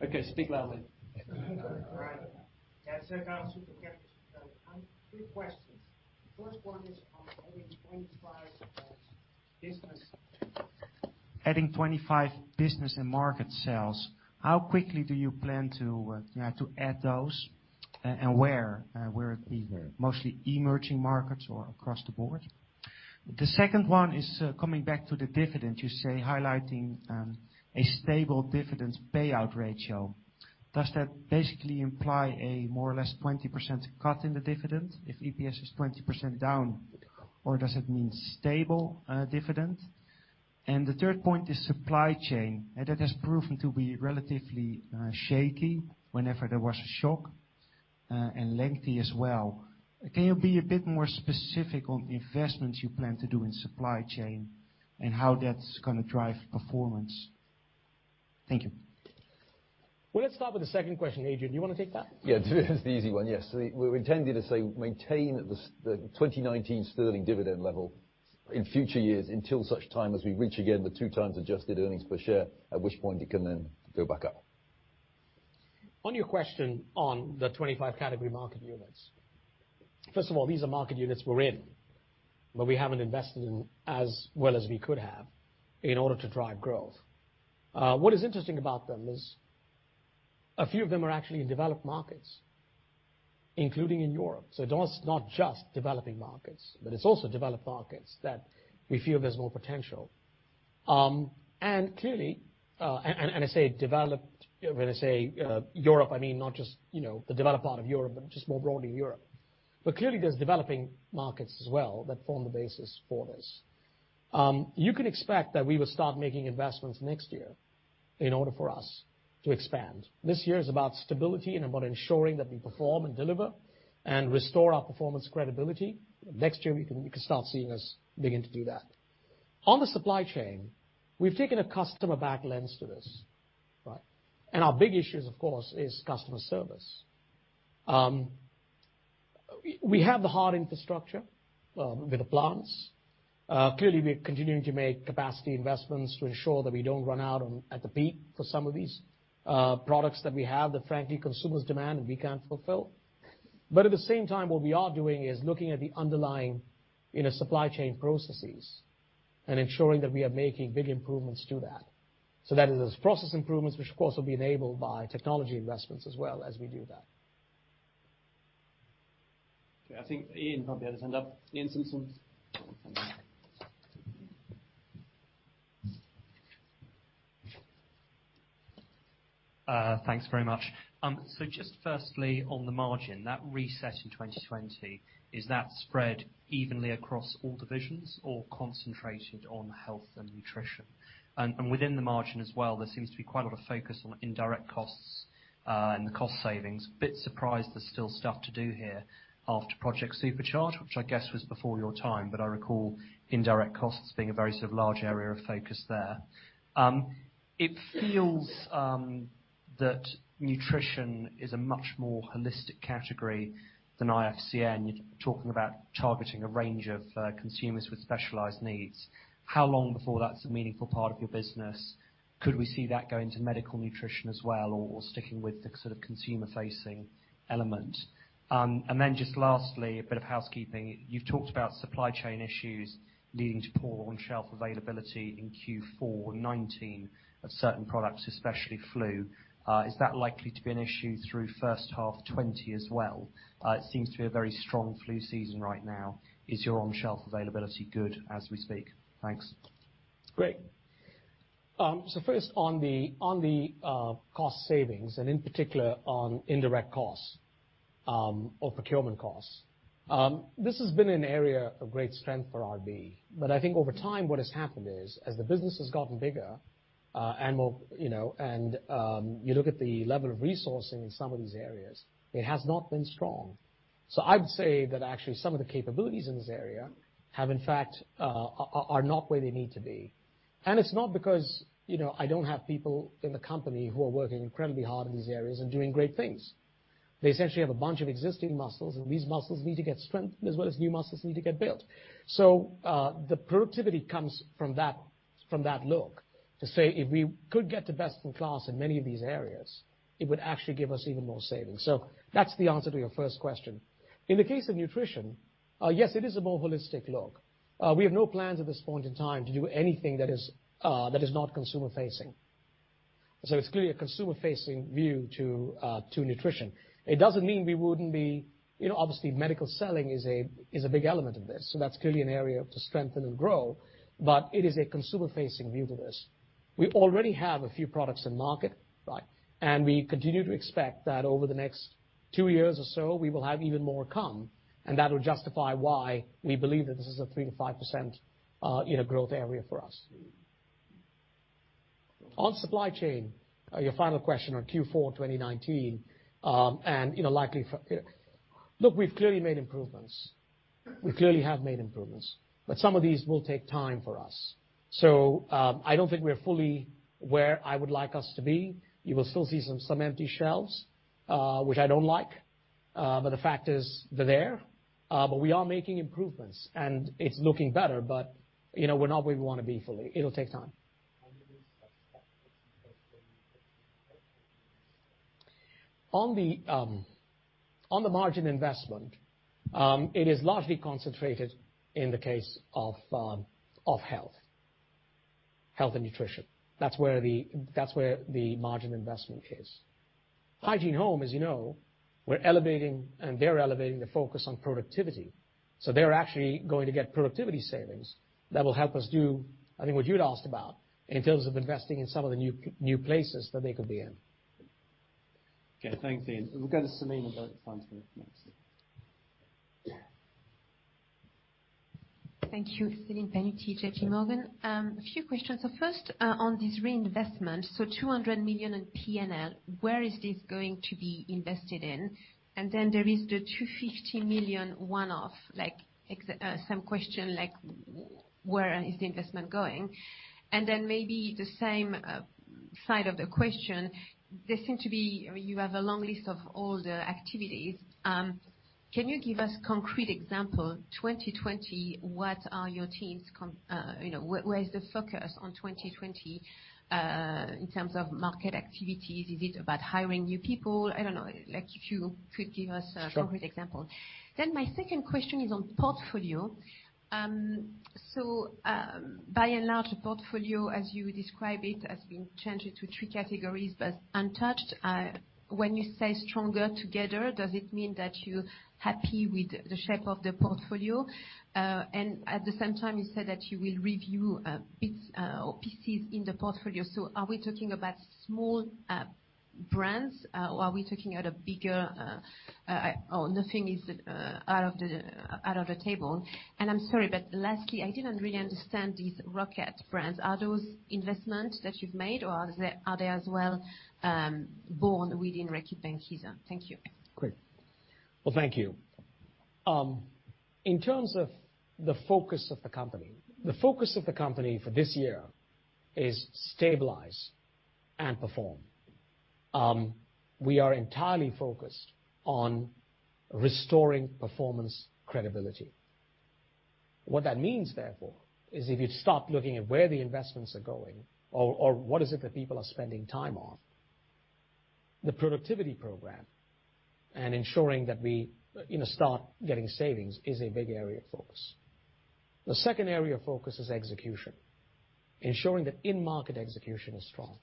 Okay. Speak loudly. All right. Yeah. Sergio, I have three questions. The first one is on adding 25 business and market sales. How quickly do you plan to add those and where? Where are these? Mostly emerging markets or across the board? The second one is coming back to the dividend. You say highlighting a stable dividend payout ratio. Does that basically imply a more or less 20% cut in the dividend if EPS is 20% down, or does it mean stable dividend? The third point is supply chain, and it has proven to be relatively shaky whenever there was a shock, and lengthy as well. Can you be a bit more specific on the investments you plan to do in supply chain and how that's going to drive performance? Thank you. Well, let's start with the second question. Adrian, do you want to take that? Yeah. It's the easy one. Yes. We're intending to say maintain the 2019 sterling dividend level in future years until such time as we reach again the two times adjusted earnings per share, at which point it can then go back up. On your question on the 25 category market units. First of all, these are market units we're in, but we haven't invested in as well as we could have in order to drive growth. What is interesting about them is a few of them are actually in developed markets, including in Europe. It's not just developing markets, but it's also developed markets that we feel there's more potential. I say developed, when I say Europe, I mean not just the developed part of Europe, but just more broadly Europe. Clearly, there's developing markets as well that form the basis for this. You can expect that we will start making investments next year in order for us to expand. This year is about stability and about ensuring that we perform and deliver and restore our performance credibility. Next year, you can start seeing us begin to do that. On the supply chain, we've taken a customer back lens to this. Right? Our big issue is, of course, is customer service. We have the hard infrastructure with the plants. Clearly, we are continuing to make capacity investments to ensure that we don't run out at the peak for some of these products that we have that frankly consumers demand, and we can't fulfill. At the same time, what we are doing is looking at the underlying supply chain processes and ensuring that we are making big improvements to that. That is process improvements, which of course, will be enabled by technology investments as well as we do that. Okay. I think Iain probably had his hand up. Iain Simpson. Thanks very much. Just firstly, on the margin, that reset in 2020, is that spread evenly across all divisions or concentrated on Health and Nutrition? Within the margin as well, there seems to be quite a lot of focus on indirect costs and the cost savings. Bit surprised there's still stuff to do here after Project Supercharge, which I guess was before your time, but I recall indirect costs being a very sort of large area of focus there. It feels that nutrition is a much more holistic category than IFCN. You're talking about targeting a range of consumers with specialized needs. How long before that's a meaningful part of your business? Could we see that go into medical nutrition as well, or sticking with the sort of consumer-facing element? Then just lastly, a bit of housekeeping. You've talked about supply chain issues leading to poor on-shelf availability in Q4 2019 of certain products, especially flu. Is that likely to be an issue through first half 2020 as well? It seems to be a very strong flu season right now. Is your on-shelf availability good as we speak? Thanks. Great. First on the cost savings, and in particular on indirect costs or procurement costs. This has been an area of great strength for RB, I think over time what has happened is, as the business has gotten bigger and you look at the level of resourcing in some of these areas, it has not been strong. I'd say that actually some of the capabilities in this area have in fact, are not where they need to be. It's not because I don't have people in the company who are working incredibly hard in these areas and doing great things. They essentially have a bunch of existing muscles, these muscles need to get strengthened as well as new muscles need to get built. The productivity comes from that look to say, if we could get to best in class in many of these areas, it would actually give us even more savings. That's the answer to your first question. In the case of nutrition, yes, it is a more holistic look. We have no plans at this point in time to do anything that is not consumer-facing. It's clearly a consumer-facing view to nutrition. It doesn't mean we wouldn't be, obviously medical selling is a big element of this, so that's clearly an area to strengthen and grow, but it is a consumer-facing view to this. We already have a few products in market, and we continue to expect that over the next two years or so, we will have even more come, and that will justify why we believe that this is a 3%-5% growth area for us. On supply chain, your final question on Q4 2019, we've clearly made improvements. We clearly have made improvements, but some of these will take time for us. I don't think we're fully where I would like us to be. You will still see some empty shelves, which I don't like. The fact is they're there. We are making improvements, and it's looking better, but we're not where we want to be fully. It'll take time. On the margin investment, it is largely concentrated in the case of health and nutrition. That's where the margin investment is. Hygiene Home, as you know, we're elevating, and they're elevating the focus on productivity. They're actually going to get productivity savings that will help us do, I think, what you'd asked about in terms of investing in some of the new places that they could be in. Okay, thanks, Iain. We'll go to Celine and go to the front row next. Thank you. Celine Pannuti, JPMorgan. A few questions. First, on this reinvestment, 200 million in P&L, where is this going to be invested in? There is the 250 million one-off, some question where is the investment going? Maybe the same side of the question. There seem to be, you have a long list of all the activities. Can you give us concrete example, 2020, what are your teams where is the focus on 2020, in terms of market activities? Is it about hiring new people? I don't know, if you could give us a concrete example. Sure. My second question is on portfolio. By and large, the portfolio as you describe it, has been changed into three categories, but untouched. When you say stronger together, does it mean that you're happy with the shape of the portfolio? At the same time, you said that you will review bits or pieces in the portfolio. Are we talking about small brands? Are we talking at a bigger, or nothing is out of the table. I'm sorry, but lastly, I didn't really understand these rocket brands. Are those investments that you've made, or are they as well born within Reckitt Benckiser? Thank you. Great. Well, thank you. In terms of the focus of the company, the focus of the company for this year is stabilize and perform. We are entirely focused on restoring performance credibility. What that means, therefore, is if you start looking at where the investments are going or what is it that people are spending time on, the productivity program and ensuring that we start getting savings is a big area of focus. The second area of focus is execution, ensuring that in-market execution is strong.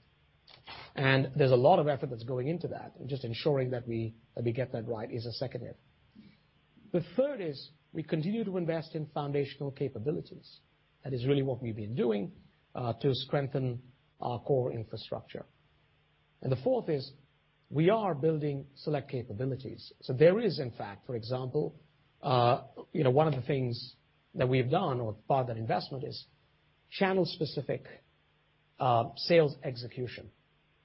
There's a lot of effort that's going into that, and just ensuring that we get that right is a second area. The third is we continue to invest in foundational capabilities. That is really what we've been doing, to strengthen our core infrastructure. The fourth is we are building select capabilities. There is in fact, for example, one of the things that we've done or part of that investment is channel specific sales execution.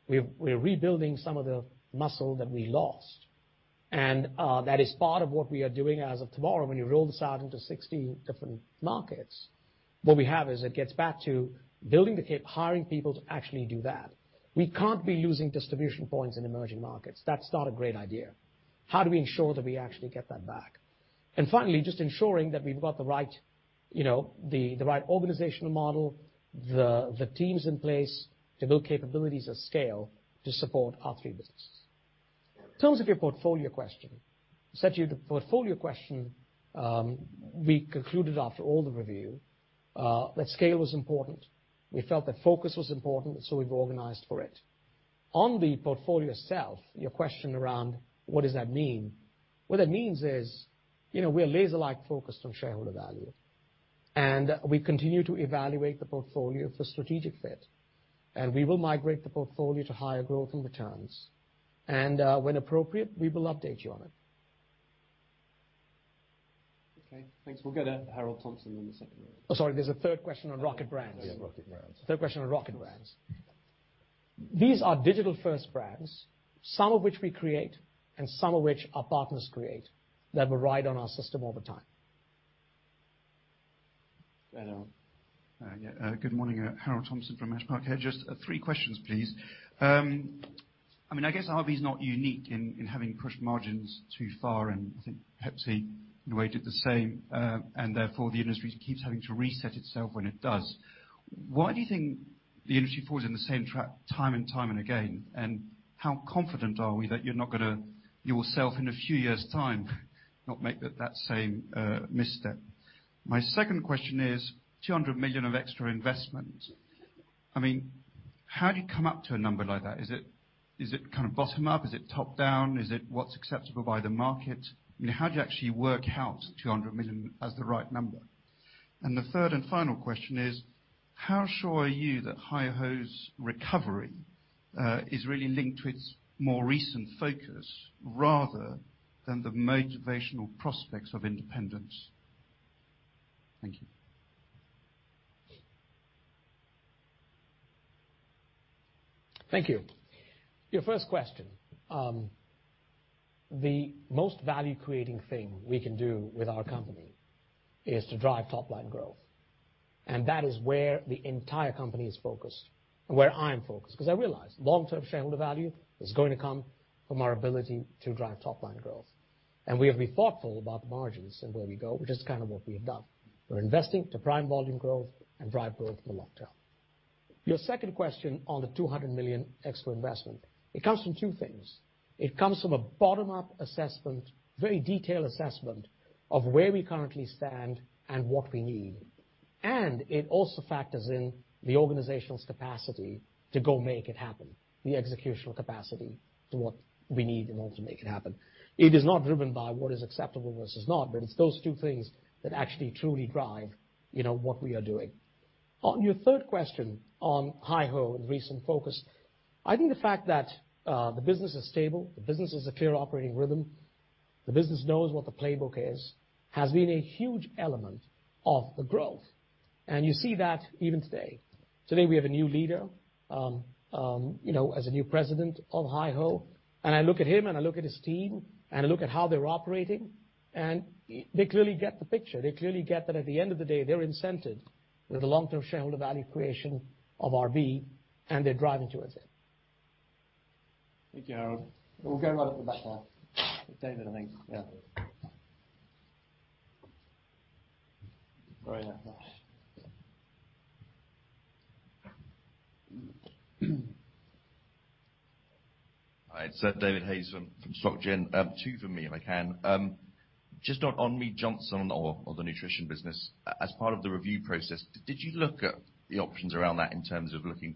We're rebuilding some of the muscle that we lost, and that is part of what we are doing as of tomorrow. When you roll this out into 60 different markets, what we have is, it gets back to building the cap, hiring people to actually do that. We can't be using distribution points in emerging markets. That's not a great idea. How do we ensure that we actually get that back? Finally, just ensuring that we've got the right organizational model, the teams in place to build capabilities at scale to support our three businesses. In terms of your portfolio question, Saj, your portfolio question, we concluded after all the review, that scale was important. We felt that focus was important, so we've organized for it. On the portfolio itself, your question around what does that mean? What that means is, we are laser-like focused on shareholder value, and we continue to evaluate the portfolio for strategic fit. We will migrate the portfolio to higher growth and returns. When appropriate, we will update you on it. Okay, thanks. We'll go to Harold Thompson in the second row. Oh, sorry. There's a third question on Reckitt Brands. Oh, yeah. Reckitt Brands. Third question on Rocket Brands. These are digital first brands, some of which we create and some of which our partners create, that will ride on our system all the time. Go ahead, Harold. Good morning. Harold Thompson from Ash Park here. Just three questions, please. I guess RB's not unique in having pushed margins too far. I think Pepsi, in a way, did the same. Therefore, the industry keeps having to reset itself when it does. Why do you think the industry falls in the same trap time and time again? How confident are we that you're not going to, yourself, in a few years' time not make that same misstep? My second question is 200 million of extra investment. How do you come up to a number like that? Is it kind of bottom up? Is it top down? Is it what's acceptable by the market? How do you actually work out 200 million as the right number? The third and final question is: How sure are you that HyHo's recovery is really linked to its more recent focus rather than the motivational prospects of independence? Thank you. Thank you. Your first question. The most value-creating thing we can do with our company is to drive top-line growth. That is where the entire company is focused and where I'm focused, because I realize long-term shareholder value is going to come from our ability to drive top-line growth. We have to be thoughtful about the margins and where we go, which is kind of what we have done. We're investing to prime volume growth and drive growth in the long-term. Your second question on the 200 million extra investment. It comes from two things. It comes from a bottom-up assessment, very detailed assessment of where we currently stand and what we need. It also factors in the organization's capacity to go make it happen, the executional capacity to what we need in order to make it happen. It is not driven by what is acceptable versus not, but it's those two things that actually truly drive what we are doing. On your third question on HyHo and recent focus, I think the fact that the business is stable, the business is a clear operating rhythm, the business knows what the playbook is, has been a huge element of the growth. You see that even today. Today, we have a new leader, as a new president of HyHo, and I look at him and I look at his team and I look at how they're operating, and they clearly get the picture. They clearly get that at the end of the day, they're incented with the long-term shareholder value creation of RB, and they're driving towards it. Thank you, Harold. We'll go right at the back now. David, I think. Yeah. Sorry about that. Hi, it's David Hayes from Société Générale. Two from me, if I can. Just on Mead Johnson or the nutrition business, as part of the review process, did you look at the options around that in terms of looking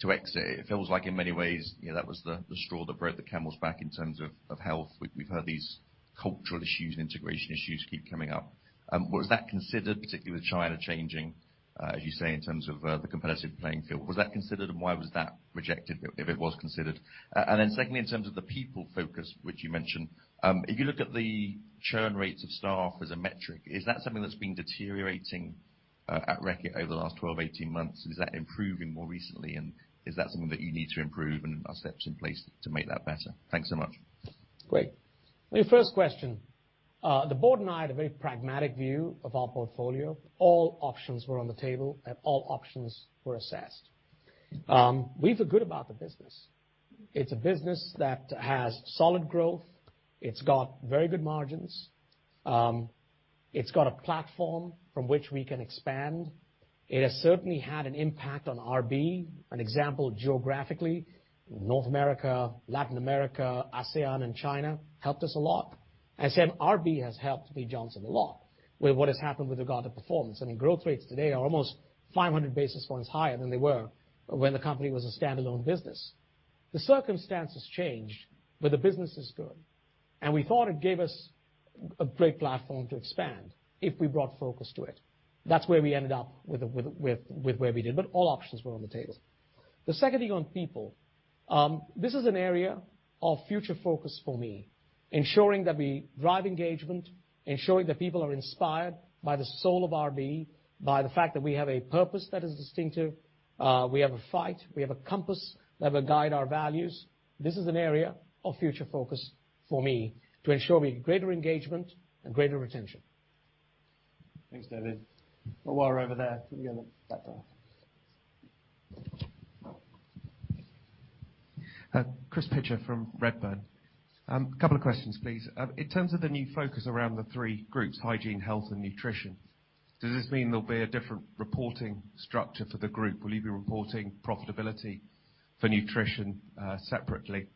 to exit? It feels like in many ways, that was the straw that broke the camel's back in terms of health. We've heard these cultural issues and integration issues keep coming up. Was that considered, particularly with China changing, as you say, in terms of the competitive playing field? Was that considered, and why was that rejected if it was considered? Secondly, in terms of the people focus, which you mentioned, if you look at the churn rates of staff as a metric, is that something that's been deteriorating at Reckitt over the last 12, 18 months? Is that improving more recently, and is that something that you need to improve and are steps in place to make that better? Thanks so much. Great. On your first question, the board and I had a very pragmatic view of our portfolio. All options were on the table, and all options were assessed. We feel good about the business. It's a business that has solid growth. It's got very good margins. It's got a platform from which we can expand. It has certainly had an impact on RB. An example geographically, North America, Latin America, ASEAN, and China helped us a lot. As said, RB has helped Mead Johnson a lot with what has happened with regard to performance. Growth rates today are almost 500 basis points higher than they were when the company was a standalone business. The circumstances changed, but the business is good, and we thought it gave us a great platform to expand if we brought focus to it. That's where we ended up with where we did. All options were on the table. The second thing on people, this is an area of future focus for me, ensuring that we drive engagement, ensuring that people are inspired by the soul of RB, by the fact that we have a purpose that is distinctive. We have a fight, we have a compass that will guide our values. This is an area of future focus for me to ensure we have greater engagement and greater retention. Thanks, David. A wire over there to the other platform. Chris Pitcher from Redburn. Couple of questions, please. In terms of the new focus around the three groups, Hygiene, Health, and Nutrition, does this mean there'll be a different reporting structure for the group? Will you be reporting profitability for Nutrition separately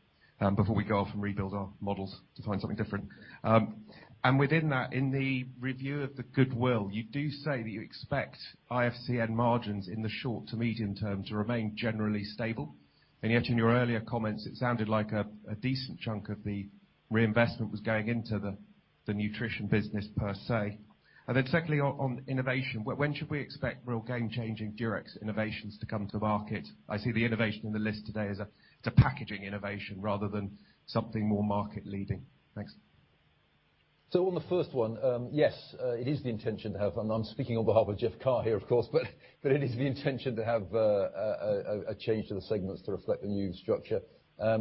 before we go off and rebuild our models to find something different? Within that, in the review of the goodwill, you do say that you expect IFCN margins in the short to medium term to remain generally stable, yet in your earlier comments, it sounded like a decent chunk of the reinvestment was going into the Nutrition business per se. Secondly, on innovation, when should we expect real game-changing Durex innovations to come to market? I see the innovation in the list today as a packaging innovation rather than something more market leading. Thanks. On the first one, yes, it is the intention to have And I'm speaking on behalf of Jeff Carr here, of course, but it is the intention to have a change to the segments to reflect the new structure.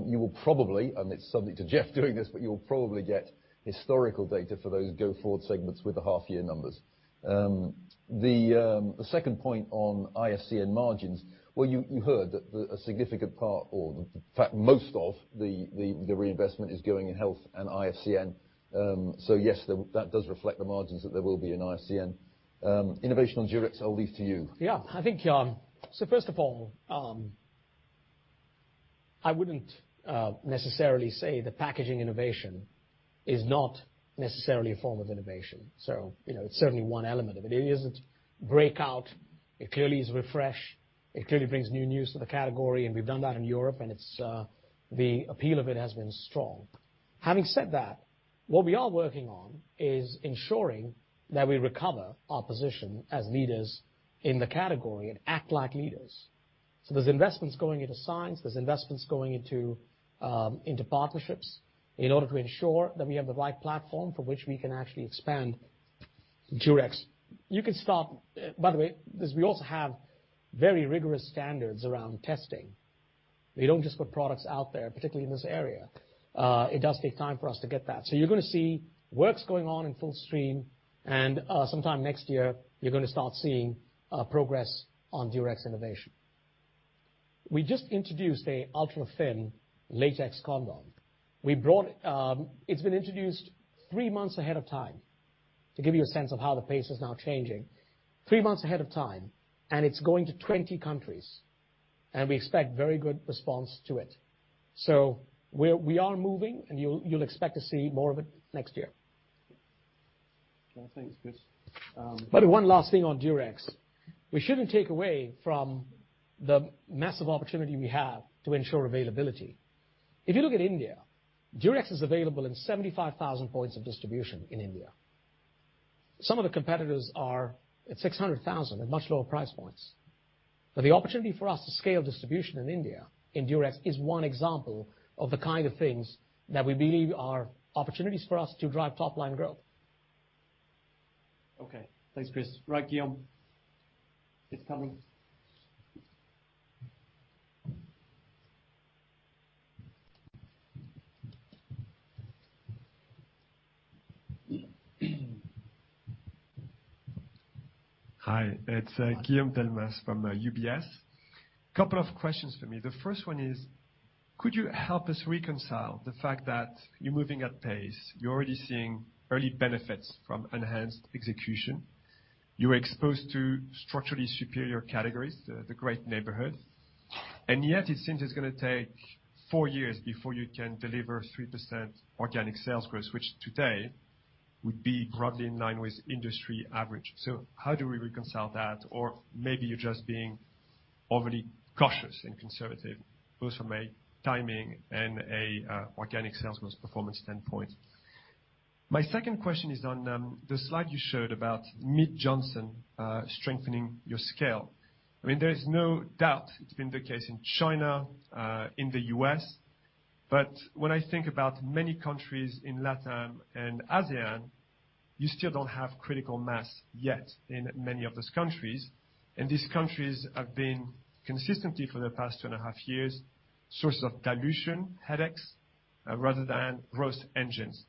You will probably, and it's something to Jeff doing this, but you'll probably get historical data for those go-forward segments with the half-year numbers. The second point on IFCN margins, well, you heard that a significant part or, in fact, most of the reinvestment is going in health and IFCN. Yes, that does reflect the margins that there will be in IFCN. Innovation on Durex, I'll leave to you. Yeah. First of all, I wouldn't necessarily say the packaging innovation is not necessarily a form of innovation. It's certainly one element of it. It isn't breakout. It clearly is a refresh. It clearly brings new use to the category, and we've done that in Europe, and the appeal of it has been strong. Having said that, what we are working on is ensuring that we recover our position as leaders in the category and act like leaders. There's investments going into science, there's investments going into partnerships in order to ensure that we have the right platform from which we can actually expand Durex. By the way, we also have very rigorous standards around testing. We don't just put products out there, particularly in this area. It does take time for us to get that. You're going to see works going on in full stream, and sometime next year, you're going to start seeing progress on Durex innovation. We just introduced a ultra-thin latex condom. It's been introduced three months ahead of time, to give you a sense of how the pace is now changing. Three months ahead of time, and it's going to 20 countries, and we expect very good response to it. We are moving, and you'll expect to see more of it next year. I think it's Chris. By the way, one last thing on Durex. We shouldn't take away from the massive opportunity we have to ensure availability. If you look at India, Durex is available in 75,000 points of distribution in India. Some of the competitors are at 600,000 at much lower price points. The opportunity for us to scale distribution in India in Durex is one example of the kind of things that we believe are opportunities for us to drive top-line growth. Okay. Thanks, Chris. Right, Guillaume. It's coming. Hi, it's Guillaume Delmas from UBS. Couple of questions for me. The first one is, could you help us reconcile the fact that you're moving at pace, you're already seeing early benefits from enhanced execution, you're exposed to structurally superior categories, the great neighborhood, and yet it seems it's going to take four years before you can deliver 3% organic sales growth, which today would be broadly in line with industry average. How do we reconcile that? Maybe you're just being overly cautious and conservative, both from a timing and a organic sales growth performance standpoint. My second question is on the slide you showed about Mead Johnson strengthening your scale. There is no doubt it's been the case in China, in the U.S., but when I think about many countries in LatAm and ASEAN, you still don't have critical mass yet in many of those countries, and these countries have been consistently, for the past two and a half years, sources of dilution headaches rather than growth engines.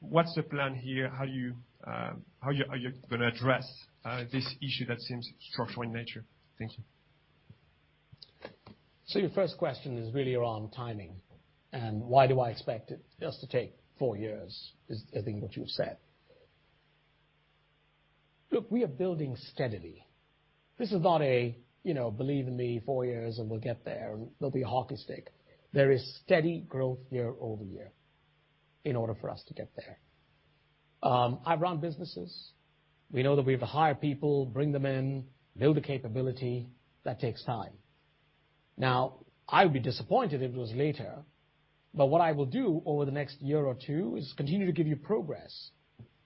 What's the plan here? How are you going to address this issue that seems structural in nature? Thank you. Your first question is really around timing and why do I expect it just to take four years, is I think what you've said. Look, we are building steadily. This is not a believe in me, four years and we'll get there, and there'll be a hockey stick. There is steady growth year-over-year in order for us to get there. I run businesses. We know that we have to hire people, bring them in, build the capability. That takes time. Now, I would be disappointed if it was later. What I will do over the next year or two is continue to give you progress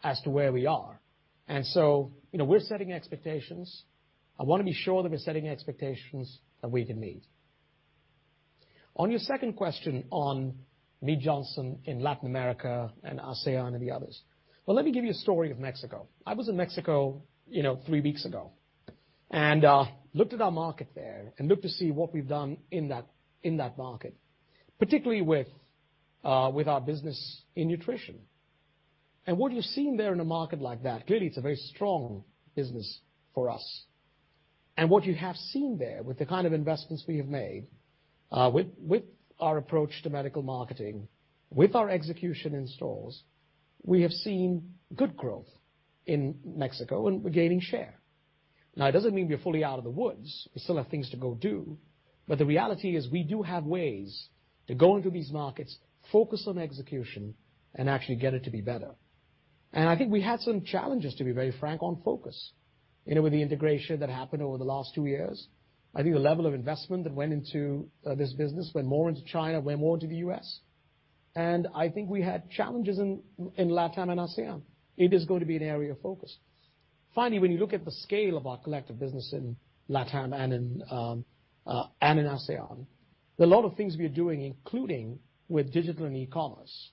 as to where we are. We're setting expectations. I want to be sure that we're setting expectations that we can meet. On your second question on Mead Johnson in Latin America and ASEAN and the others. Well, let me give you a story of Mexico. I was in Mexico three weeks ago and looked at our market there and looked to see what we've done in that market, particularly with our business in nutrition. What you're seeing there in a market like that, clearly, it's a very strong business for us. What you have seen there with the kind of investments we have made, with our approach to medical marketing, with our execution in stores, we have seen good growth in Mexico, and we're gaining share. Now, it doesn't mean we're fully out of the woods. We still have things to go do, but the reality is we do have ways to go into these markets, focus on execution, and actually get it to be better. I think we had some challenges, to be very frank, on focus. With the integration that happened over the last two years, I think the level of investment that went into this business went more into China, went more into the U.S. I think we had challenges in LatAm and ASEAN. It is going to be an area of focus. Finally, when you look at the scale of our collective business in LatAm and in ASEAN, there are a lot of things we are doing, including with digital and e-commerce,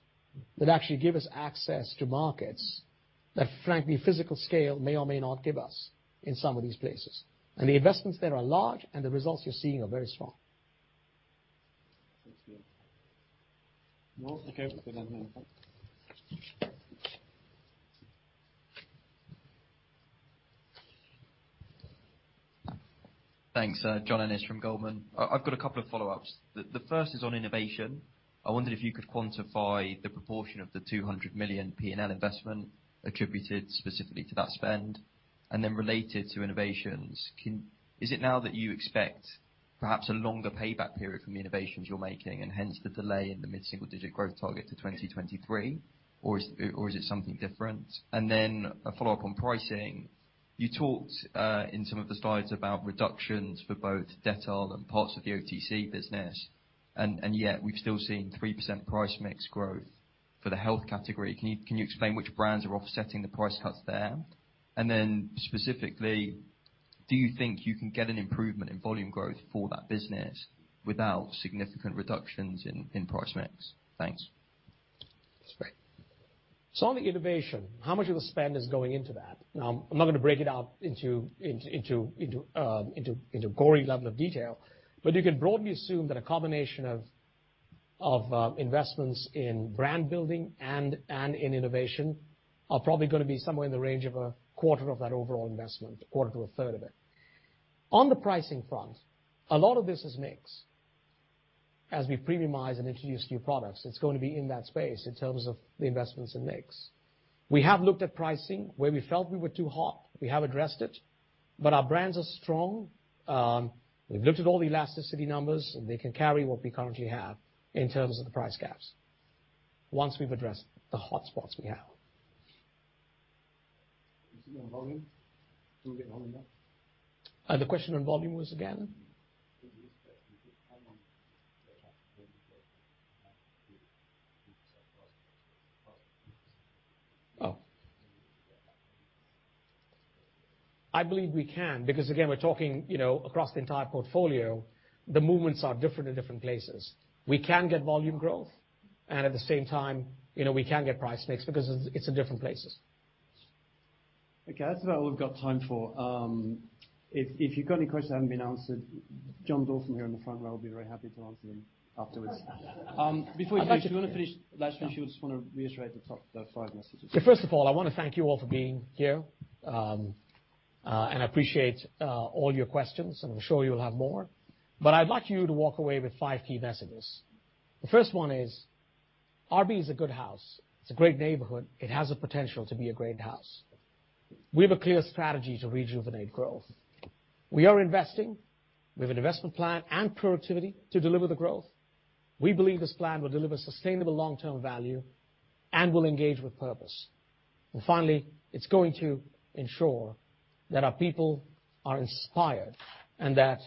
that actually give us access to markets that, frankly, physical scale may or may not give us in some of these places. The investments there are large, and the results you're seeing are very strong. Thank you. Well, okay. We'll go down there, thanks. Thanks. John Ennis from Goldman. I've got a couple of follow-ups. The first is on innovation. I wondered if you could quantify the proportion of the 200 million P&L investment attributed specifically to that spend. Related to innovations, is it now that you expect perhaps a longer payback period from the innovations you're making, and hence the delay in the mid-single-digit growth target to 2023? Or is it something different? A follow-up on pricing. You talked in some of the slides about reductions for both Dettol and parts of the OTC business, and yet we've still seen 3% price mix growth for the health category. Can you explain which brands are offsetting the price cuts there? Specifically, do you think you can get an improvement in volume growth for that business without significant reductions in price mix? Thanks. That's great. On the innovation, how much of the spend is going into that? I'm not going to break it out into gory level of detail, but you can broadly assume that a combination of investments in brand building and in innovation are probably going to be somewhere in the range of a quarter of that overall investment, a quarter to a third of it. On the pricing front, a lot of this is mix. As we premiumize and introduce new products, it's going to be in that space in terms of the investments in mix. We have looked at pricing. Where we felt we were too hot, we have addressed it. Our brands are strong. We've looked at all the elasticity numbers, and they can carry what we currently have in terms of the price gaps once we've addressed the hot spots we have. Volume? Can we get volume up? The question on volume was again? I believe we can because, again, we're talking across the entire portfolio, the movements are different in different places. We can get volume growth, and at the same time, we can get price mix because it's in different places. Okay, that's about all we've got time for. If you've got any questions that haven't been answered, John Dawson here in the front row will be very happy to answer them afterwards. Before you finish. Do you want to finish last, or do you just want to reiterate the top five messages? First of all, I want to thank you all for being here. I appreciate all your questions, and I'm sure you'll have more. But I'd like you to walk away with five key messages. The first one is, RB is a good house. It's a great neighborhood. It has the potential to be a great house. We have a clear strategy to rejuvenate growth. We are investing. We have an investment plan and productivity to deliver the growth. We believe this plan will deliver sustainable long-term value and will engage with purpose. Finally, it's going to ensure that our people are inspired and that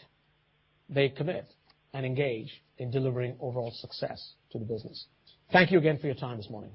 they commit and engage in delivering overall success to the business. Thank you again for your time this morning.